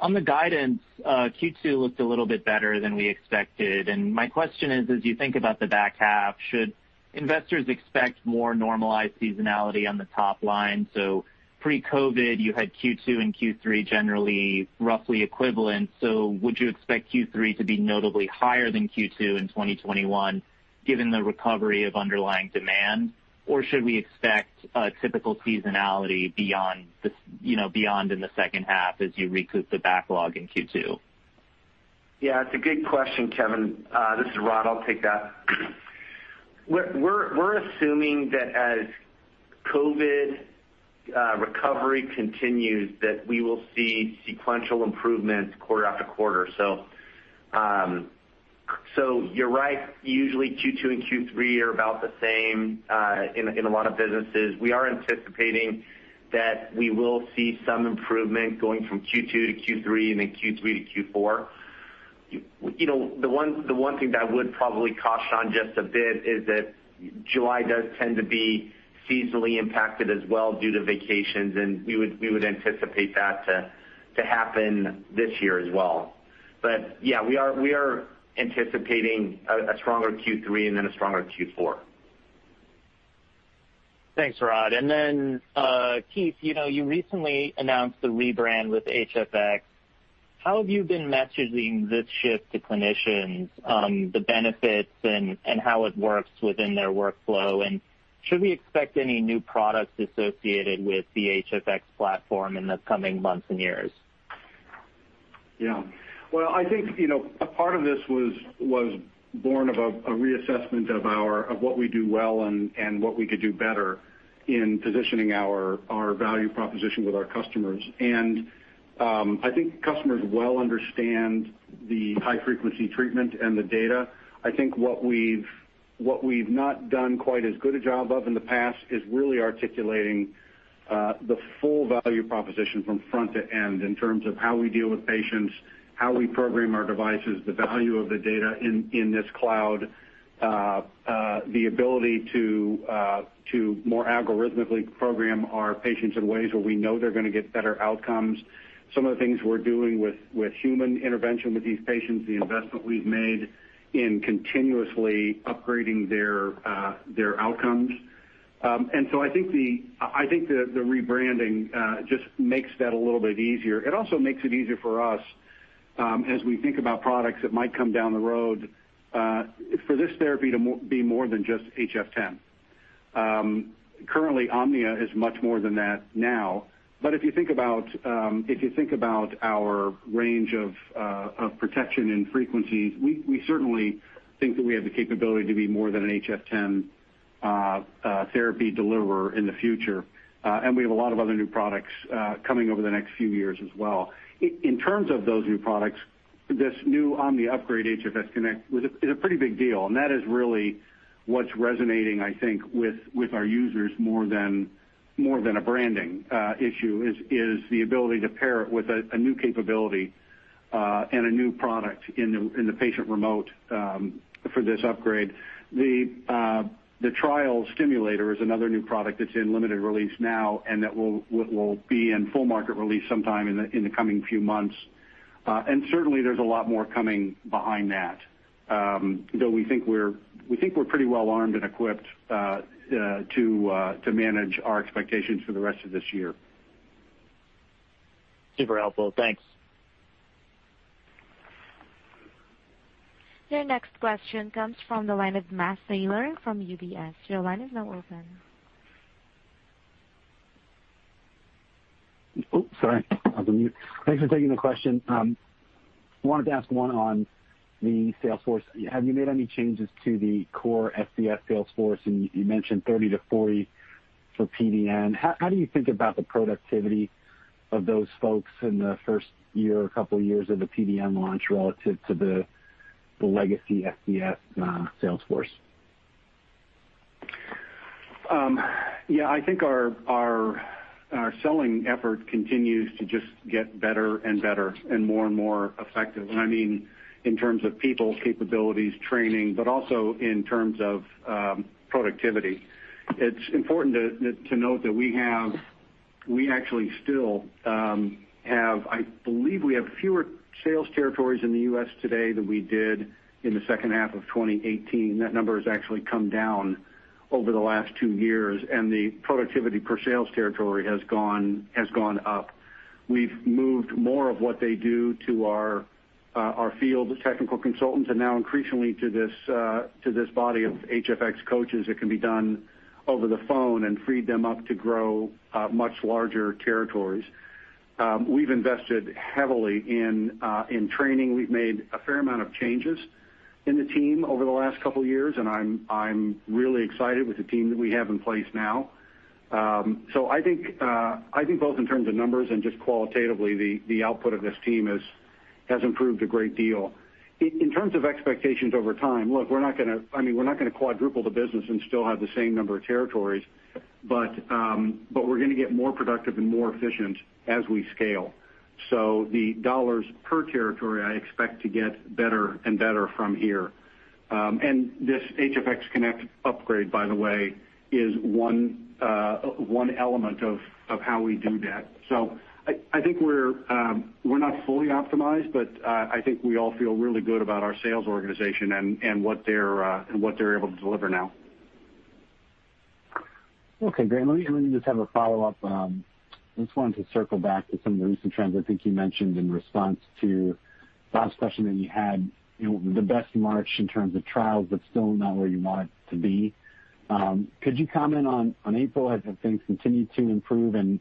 On the guidance, Q2 looked a little bit better than we expected, and my question is: as you think about the back half, should investors expect more normalized seasonality on the top line? Pre-COVID, you had Q2 and Q3 generally roughly equivalent, so would you expect Q3 to be notably higher than Q2 in 2021 given the recovery of underlying demand? Should we expect a typical seasonality beyond in the second half as you recoup the backlog in Q2?
Yeah, it's a good question, Kevin. This is Rod, I'll take that. We're assuming that as COVID recovery continues, that we will see sequential improvements quarter after quarter. You're right. Usually Q2 and Q3 are about the same in a lot of businesses. We are anticipating that we will see some improvement going from Q2-Q3 and then Q3-Q4. The one thing that I would probably caution on just a bit is that July does tend to be seasonally impacted as well due to vacations, and we would anticipate that to happen this year as well. Yeah, we are anticipating a stronger Q3 and then a stronger Q4.
Thanks, Rod. Keith, you recently announced the rebrand with HFX. How have you been messaging this shift to clinicians, the benefits and how it works within their workflow, and should we expect any new products associated with the HFX platform in the coming months and years?
Yeah. Well, I think a part of this was born of a reassessment of what we do well and what we could do better in positioning our value proposition with our customers. I think customers well understand the high-frequency treatment and the data. I think what we've not done quite as good a job of in the past is really articulating the full value proposition from front to end in terms of how we deal with patients, how we program our devices, the value of the data in this cloud, the ability to more algorithmically program our patients in ways where we know they're going to get better outcomes. Some of the things we're doing with human intervention with these patients, the investment we've made in continuously upgrading their outcomes. I think the rebranding just makes that a little bit easier. It also makes it easier for us as we think about products that might come down the road for this therapy to be more than just HF10. Currently, Omnia is much more than that now, if you think about our range of protection and frequency, we certainly think that we have the capability to be more than an HF10 therapy deliverer in the future. We have a lot of other new products coming over the next few years as well. In terms of those new products, this new Omnia upgrade, HFX Connect, is a pretty big deal, and that is really what's resonating, I think, with our users more than a branding issue, is the ability to pair it with a new capability and a new product in the patient remote for this upgrade. The trial stimulator is another new product that's in limited release now, and that will be in full market release sometime in the coming few months. Certainly, there's a lot more coming behind that. We think we're pretty well armed and equipped to manage our expectations for the rest of this year.
Super helpful. Thanks.
Your next question comes from the line of Matt Taylor from UBS. Your line is now open.
Oh, sorry. I was on mute. Thanks for taking the question. Wanted to ask one on the sales force. Have you made any changes to the core SCS sales force? You mentioned 30-40 for PDN. How do you think about the productivity of those folks in the first year or couple years of the PDN launch relative to the legacy SCS sales force?
Yeah, I think our selling effort continues to just get better and better and more and more effective. I mean in terms of people, capabilities, training, but also in terms of productivity. It's important to note that we actually still have, I believe we have fewer sales territories in the U.S. today than we did in the second half of 2018. That number has actually come down over the last two years, and the productivity per sales territory has gone up. We've moved more of what they do to our field technical consultants, and now increasingly to this body of HFX Coach that can be done over the phone and freed them up to grow much larger territories. We've invested heavily in training. We've made a fair amount of changes in the team over the last couple of years, and I'm really excited with the team that we have in place now. I think both in terms of numbers and just qualitatively, the output of this team has improved a great deal. In terms of expectations over time, look, we're not going to quadruple the business and still have the same number of territories, but we're going to get more productive and more efficient as we scale. The dollars per territory, I expect to get better and better from here. This HFX Connect upgrade, by the way, is one element of how we do that. I think we're not fully optimized, but I think we all feel really good about our sales organization and what they're able to deliver now.
Okay, great. Let me just have a follow-up. I just wanted to circle back to some of the recent trends I think you mentioned in response to last question that you had, the best March in terms of trials, but still not where you want it to be. Could you comment on April as things continue to improve and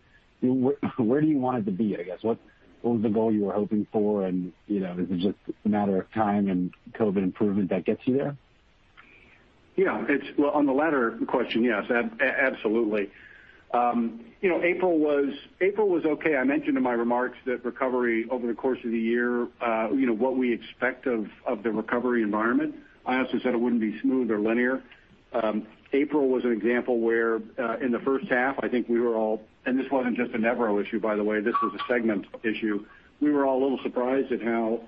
where do you want it to be, I guess? What was the goal you were hoping for? Is it just a matter of time and COVID improvement that gets you there?
On the latter question, yes, absolutely. April was okay. I mentioned in my remarks that recovery over the course of the year, what we expect of the recovery environment. I also said it wouldn't be smooth or linear. April was an example where in the first half, I think we were all, and this wasn't just a Nevro issue, by the way, this was a segment issue. We were all a little surprised at how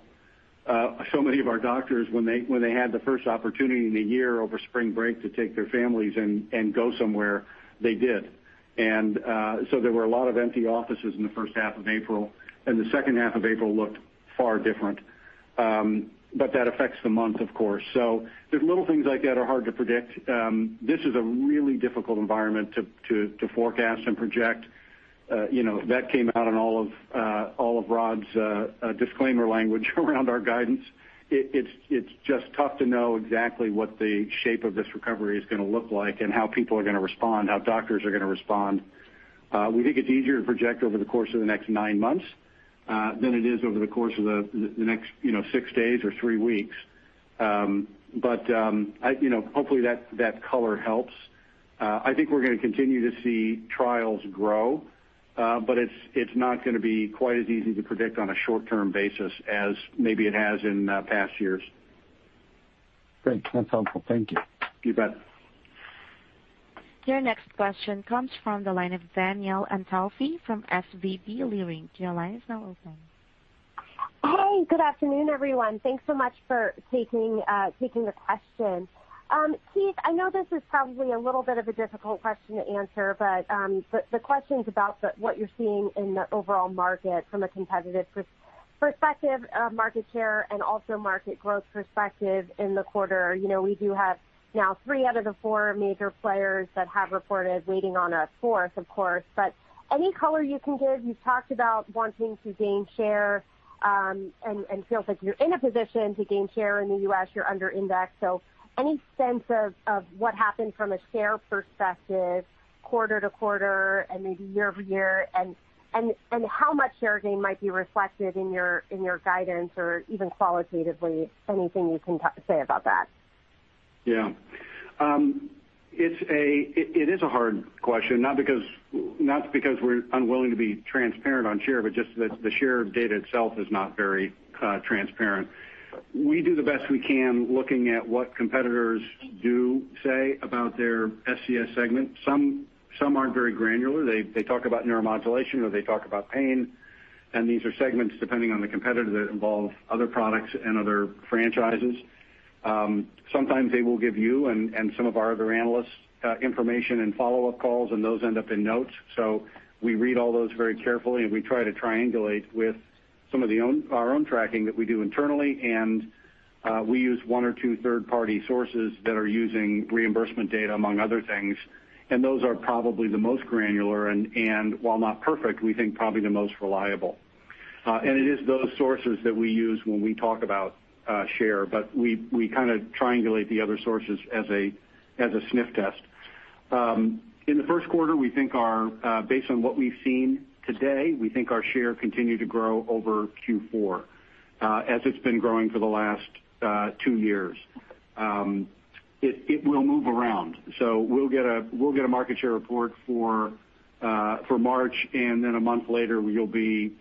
so many of our doctors, when they had the first opportunity in a year over spring break to take their families and go somewhere, they did. There were a lot of empty offices in the first half of April, and the second half of April looked far different. That affects the month, of course. The little things like that are hard to predict. This is a really difficult environment to forecast and project. That came out in all of Rod's disclaimer language around our guidance. It's just tough to know exactly what the shape of this recovery is going to look like and how people are going to respond, how doctors are going to respond. We think it's easier to project over the course of the next nine months, than it is over the course of the next six days or three weeks. Hopefully that color helps. I think we're going to continue to see trials grow, but it's not going to be quite as easy to predict on a short-term basis as maybe it has in past years.
Great. That's helpful. Thank you.
You bet.
Your next question comes from the line of Danielle Antalffy from SVB Leerink. Your line is now open.
Hey, good afternoon, everyone. Thanks so much for taking the question. Keith, I know this is probably a little bit of a difficult question to answer, but the question's about what you're seeing in the overall market from a competitive perspective of market share and also market growth perspective in the quarter. We do have now three out of the four major players that have reported, waiting on a fourth, of course, but any color you can give, you've talked about wanting to gain share, and feels like you're in a position to gain share in the U.S., you're under index. Any sense of what happened from a share perspective quarter-over-quarter and maybe year-over-year and how much share gain might be reflected in your guidance or even qualitatively, anything you can say about that?
Yeah. It is a hard question, not because we're unwilling to be transparent on share, but just that the share data itself is not very transparent. We do the best we can looking at what competitors do say about their SCS segment. Some aren't very granular. They talk about neuromodulation, or they talk about pain, and these are segments, depending on the competitor, that involve other products and other franchises. Sometimes they will give you and some of our other analysts information and follow-up calls, and those end up in notes. We read all those very carefully, and we try to triangulate with some of our own tracking that we do internally, and we use one or two third-party sources that are using reimbursement data among other things. Those are probably the most granular and while not perfect, we think probably the most reliable. It is those sources that we use when we talk about share, but we kind of triangulate the other sources as a sniff test. In the first quarter, based on what we've seen to date, we think our share continued to grow over Q4 as it's been growing for the last two years. It will move around, we'll get a market share report for March, and then a month later you'll be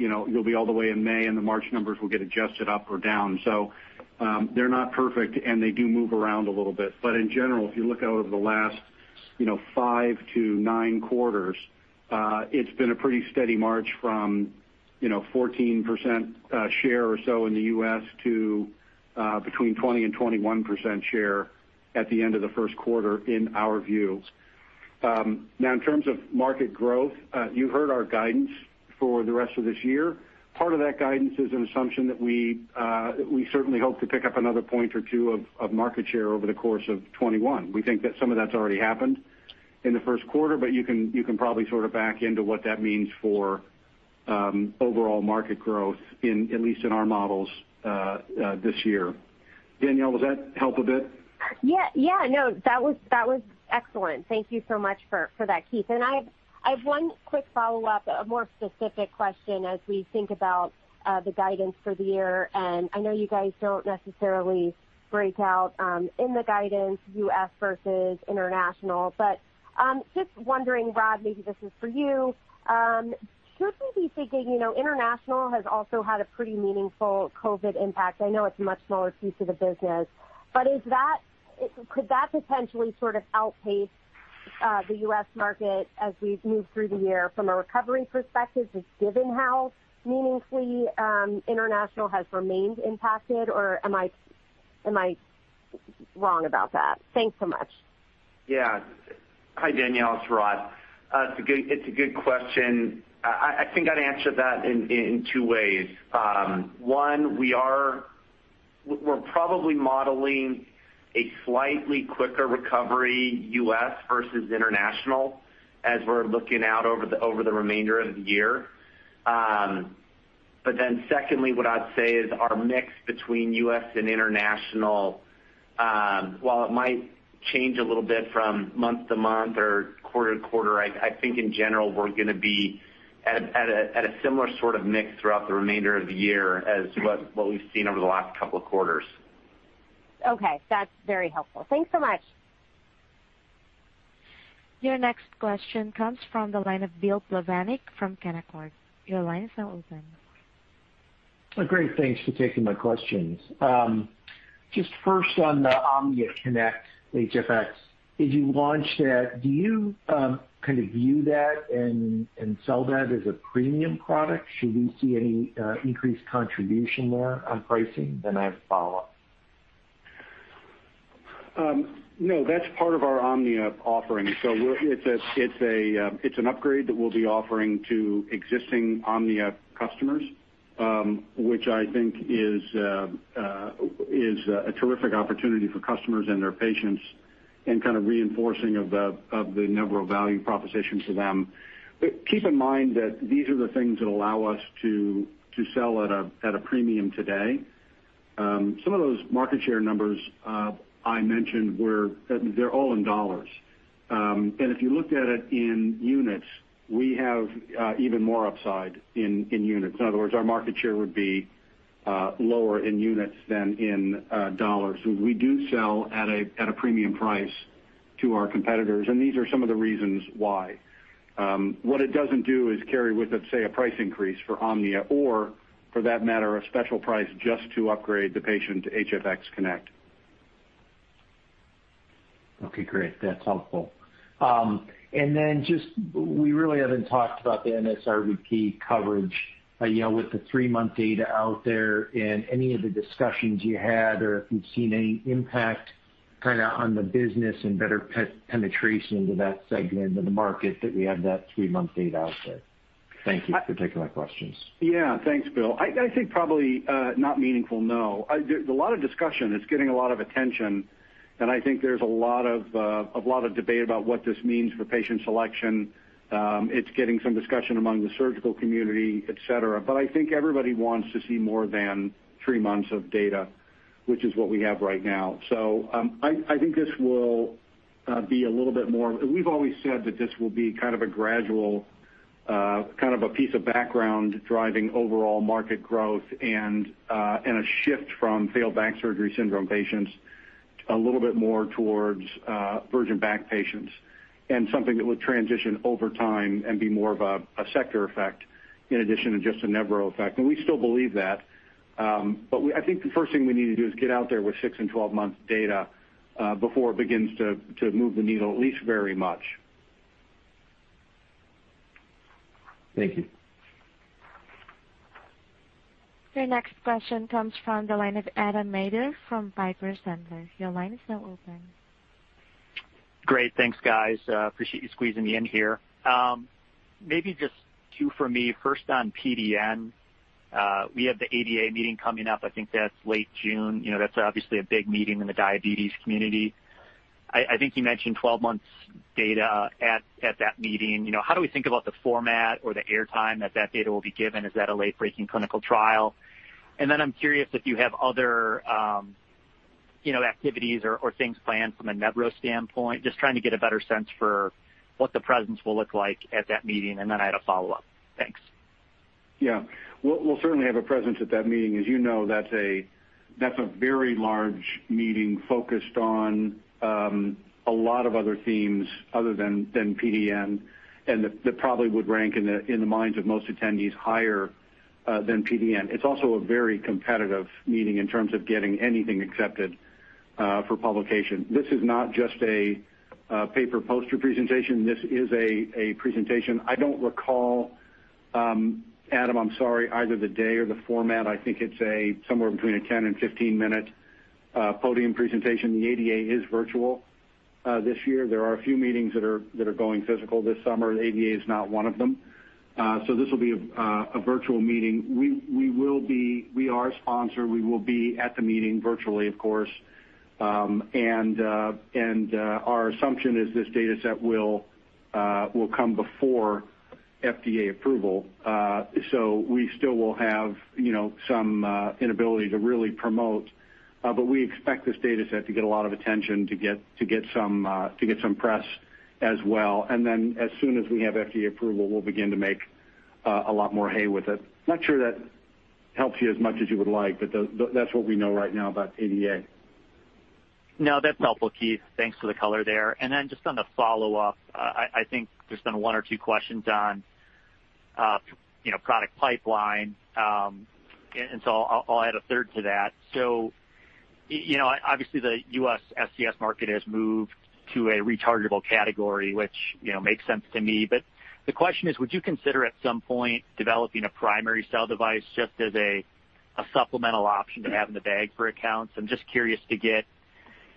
all the way in May, and the March numbers will get adjusted up or down. They're not perfect, and they do move around a little bit. In general, if you look out over the last 5-9 quarters, it's been a pretty steady march from 14% share or so in the U.S. to between 20% and 21% share at the end of the first quarter in our view. In terms of market growth, you heard our guidance for the rest of this year. Part of that guidance is an assumption that we certainly hope to pick up another point or two of market share over the course of 2021. We think that some of that's already happened in the first quarter, you can probably sort of back into what that means for overall market growth, at least in our models this year. Danielle, does that help a bit?
Yeah. No, that was excellent. Thank you so much for that, Keith. I have one quick follow-up, a more specific question as we think about the guidance for the year, and I know you guys don't necessarily break out in the guidance U.S. versus international, but just wondering, Rod, maybe this is for you. Should we be thinking, international has also had a pretty meaningful COVID impact. I know it's a much smaller piece of the business, but could that potentially sort of outpace the US market as we move through the year from a recovery perspective, just given how meaningfully international has remained impacted? Am I wrong about that? Thanks so much.
Hi, Danielle, it's Rod. It's a good question. I think I'd answer that in two ways. One, we're probably modeling a slightly quicker recovery U.S. versus international as we're looking out over the remainder of the year. Secondly, what I'd say is our mix between U.S. and international, while it might change a little bit from month to month or quarter to quarter, I think in general, we're going to be at a similar sort of mix throughout the remainder of the year as what we've seen over the last couple of quarters.
Okay. That's very helpful. Thanks so much.
Your next question comes from the line of William Plovanic from Canaccord. Your line is now open.
Great. Thanks for taking my questions. Just first on the Omnia Connect HFX, as you launch that, do you kind of view that and sell that as a premium product? Should we see any increased contribution there on pricing? I have a follow-up.
That's part of our Omnia offering. It's an upgrade that we'll be offering to existing Omnia customers, which I think is a terrific opportunity for customers and their patients and kind of reinforcing of the Nevro value proposition to them. Keep in mind that these are the things that allow us to sell at a premium today. Some of those market share numbers I mentioned they're all in dollars. If you looked at it in units, we have even more upside in units. In other words, our market share would be lower in units than in dollars. We do sell at a premium price to our competitors, and these are some of the reasons why. What it doesn't do is carry with it, say, a price increase for Omnia or for that matter, a special price just to upgrade the patient to HFX Connect.
Okay, great. That's helpful. We really haven't talked about the NSRBP coverage. With the three-month data out there and any of the discussions you had or if you've seen any impact kind of on the business and better penetration into that segment of the market that we have that three-month data out there. Thank you for taking my questions.
Yeah. Thanks, William. I think probably not meaningful, no. A lot of discussion. It's getting a lot of attention, and I think there's a lot of debate about what this means for patient selection. It's getting some discussion among the surgical community, et cetera, but I think everybody wants to see more than three months of data, which is what we have right now. I think this will be. We've always said that this will be kind of a gradual piece of background driving overall market growth and a shift from failed back surgery syndrome patients a little bit more towards virgin back patients and something that would transition over time and be more of a sector effect in addition to just a Nevro effect. We still believe that. I think the first thing we need to do is get out there with six and 12 months data, before it begins to move the needle at least very much.
Thank you.
Your next question comes from the line of Adam Maeder from Piper Sandler. Your line is now open.
Great. Thanks, guys. Appreciate you squeezing me in here. Maybe just two for me. First, on PDN, we have the ADA meeting coming up. I think that's late June. That's obviously a big meeting in the diabetes community. I think you mentioned 12 months data at that meeting. How do we think about the format or the air time that data will be given? Is that a late-breaking clinical trial? Then I'm curious if you have other activities or things planned from a Nevro standpoint, just trying to get a better sense for what the presence will look like at that meeting, and then I had a follow-up. Thanks.
Yeah. We'll certainly have a presence at that meeting. As you know, that's a very large meeting focused on a lot of other themes other than PDN, and that probably would rank in the minds of most attendees higher than PDN. It's also a very competitive meeting in terms of getting anything accepted for publication. This is not just a paper poster presentation. This is a presentation. I don't recall, Adam, I'm sorry, either the day or the format. I think it's somewhere between a 10- and 15-minute podium presentation. The ADA is virtual this year. There are a few meetings that are going physical this summer. The ADA is not one of them. This will be a virtual meeting. We are a sponsor. We will be at the meeting virtually, of course, and our assumption is this data set will come before FDA approval. We still will have some inability to really promote. We expect this data set to get a lot of attention, to get some press as well. Then as soon as we have FDA approval, we'll begin to make a lot more hay with it. Not sure that helps you as much as you would like, but that's what we know right now about ADA.
No, that's helpful, Keith. Thanks for the color there. Just on the follow-up, I think there's been one or two questions on product pipeline. Obviously, the U.S. SCS market has moved to a rechargeable category, which makes sense to me. The question is, would you consider at some point developing a primary cell device just as a supplemental option to have in the bag for accounts? I'm just curious to get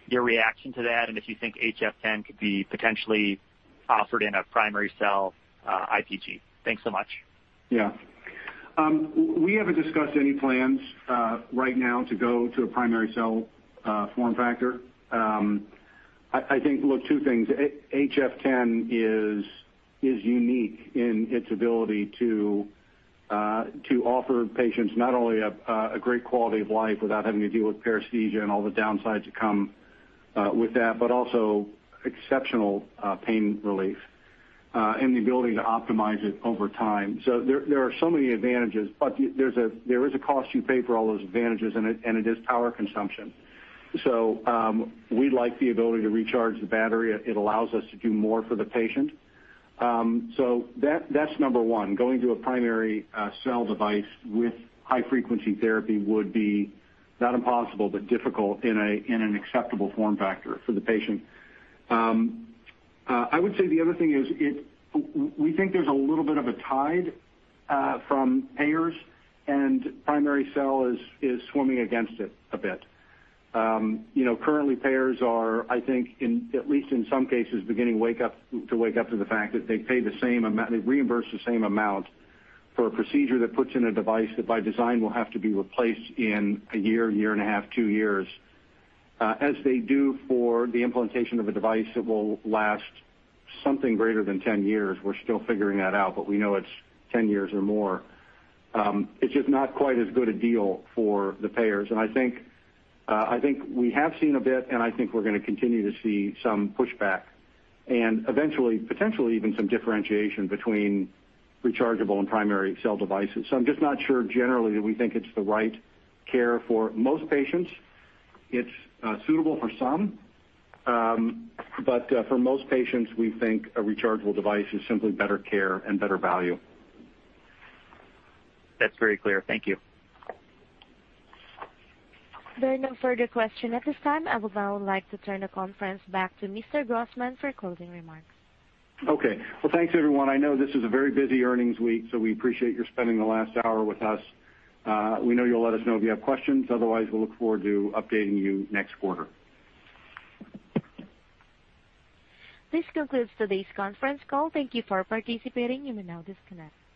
your reaction to that and if you think HF10 could be potentially offered in a primary cell IPG. Thanks so much.
Yeah. We haven't discussed any plans right now to go to a primary cell form factor. I think, look, two things. HF10 is unique in its ability to offer patients not only a great quality of life without having to deal with paresthesia and all the downsides that come with that, but also exceptional pain relief, and the ability to optimize it over time. There are so many advantages, but there is a cost you pay for all those advantages, and it is power consumption. We like the ability to recharge the battery. It allows us to do more for the patient. That's number one. Going to a primary cell device with high-frequency therapy would be not impossible, but difficult in an acceptable form factor for the patient. I would say the other thing is we think there's a little bit of a tide from payers. Primary cell is swimming against it a bit. Currently, payers are, I think, at least in some cases, beginning to wake up to the fact that they reimburse the same amount for a procedure that puts in a device that by design will have to be replaced in 1.5 Year, two years, as they do for the implementation of a device that will last something greater than 10 years. We're still figuring that out. We know it's 10 years or more. It's just not quite as good a deal for the payers. I think we have seen a bit, and I think we're going to continue to see some pushback and eventually, potentially even some differentiation between rechargeable and primary cell devices. I'm just not sure generally that we think it's the right care for most patients. It's suitable for some, but for most patients, we think a rechargeable device is simply better care and better value.
That's very clear. Thank you.
There are no further questions at this time. I would now like to turn the conference back to Mr. Grossman for closing remarks.
Okay. Well, thanks everyone. I know this is a very busy earnings week, so we appreciate you spending the last hour with us. We know you'll let us know if you have questions. Otherwise, we'll look forward to updating you next quarter.
This concludes today's conference call. Thank you for participating. You may now disconnect.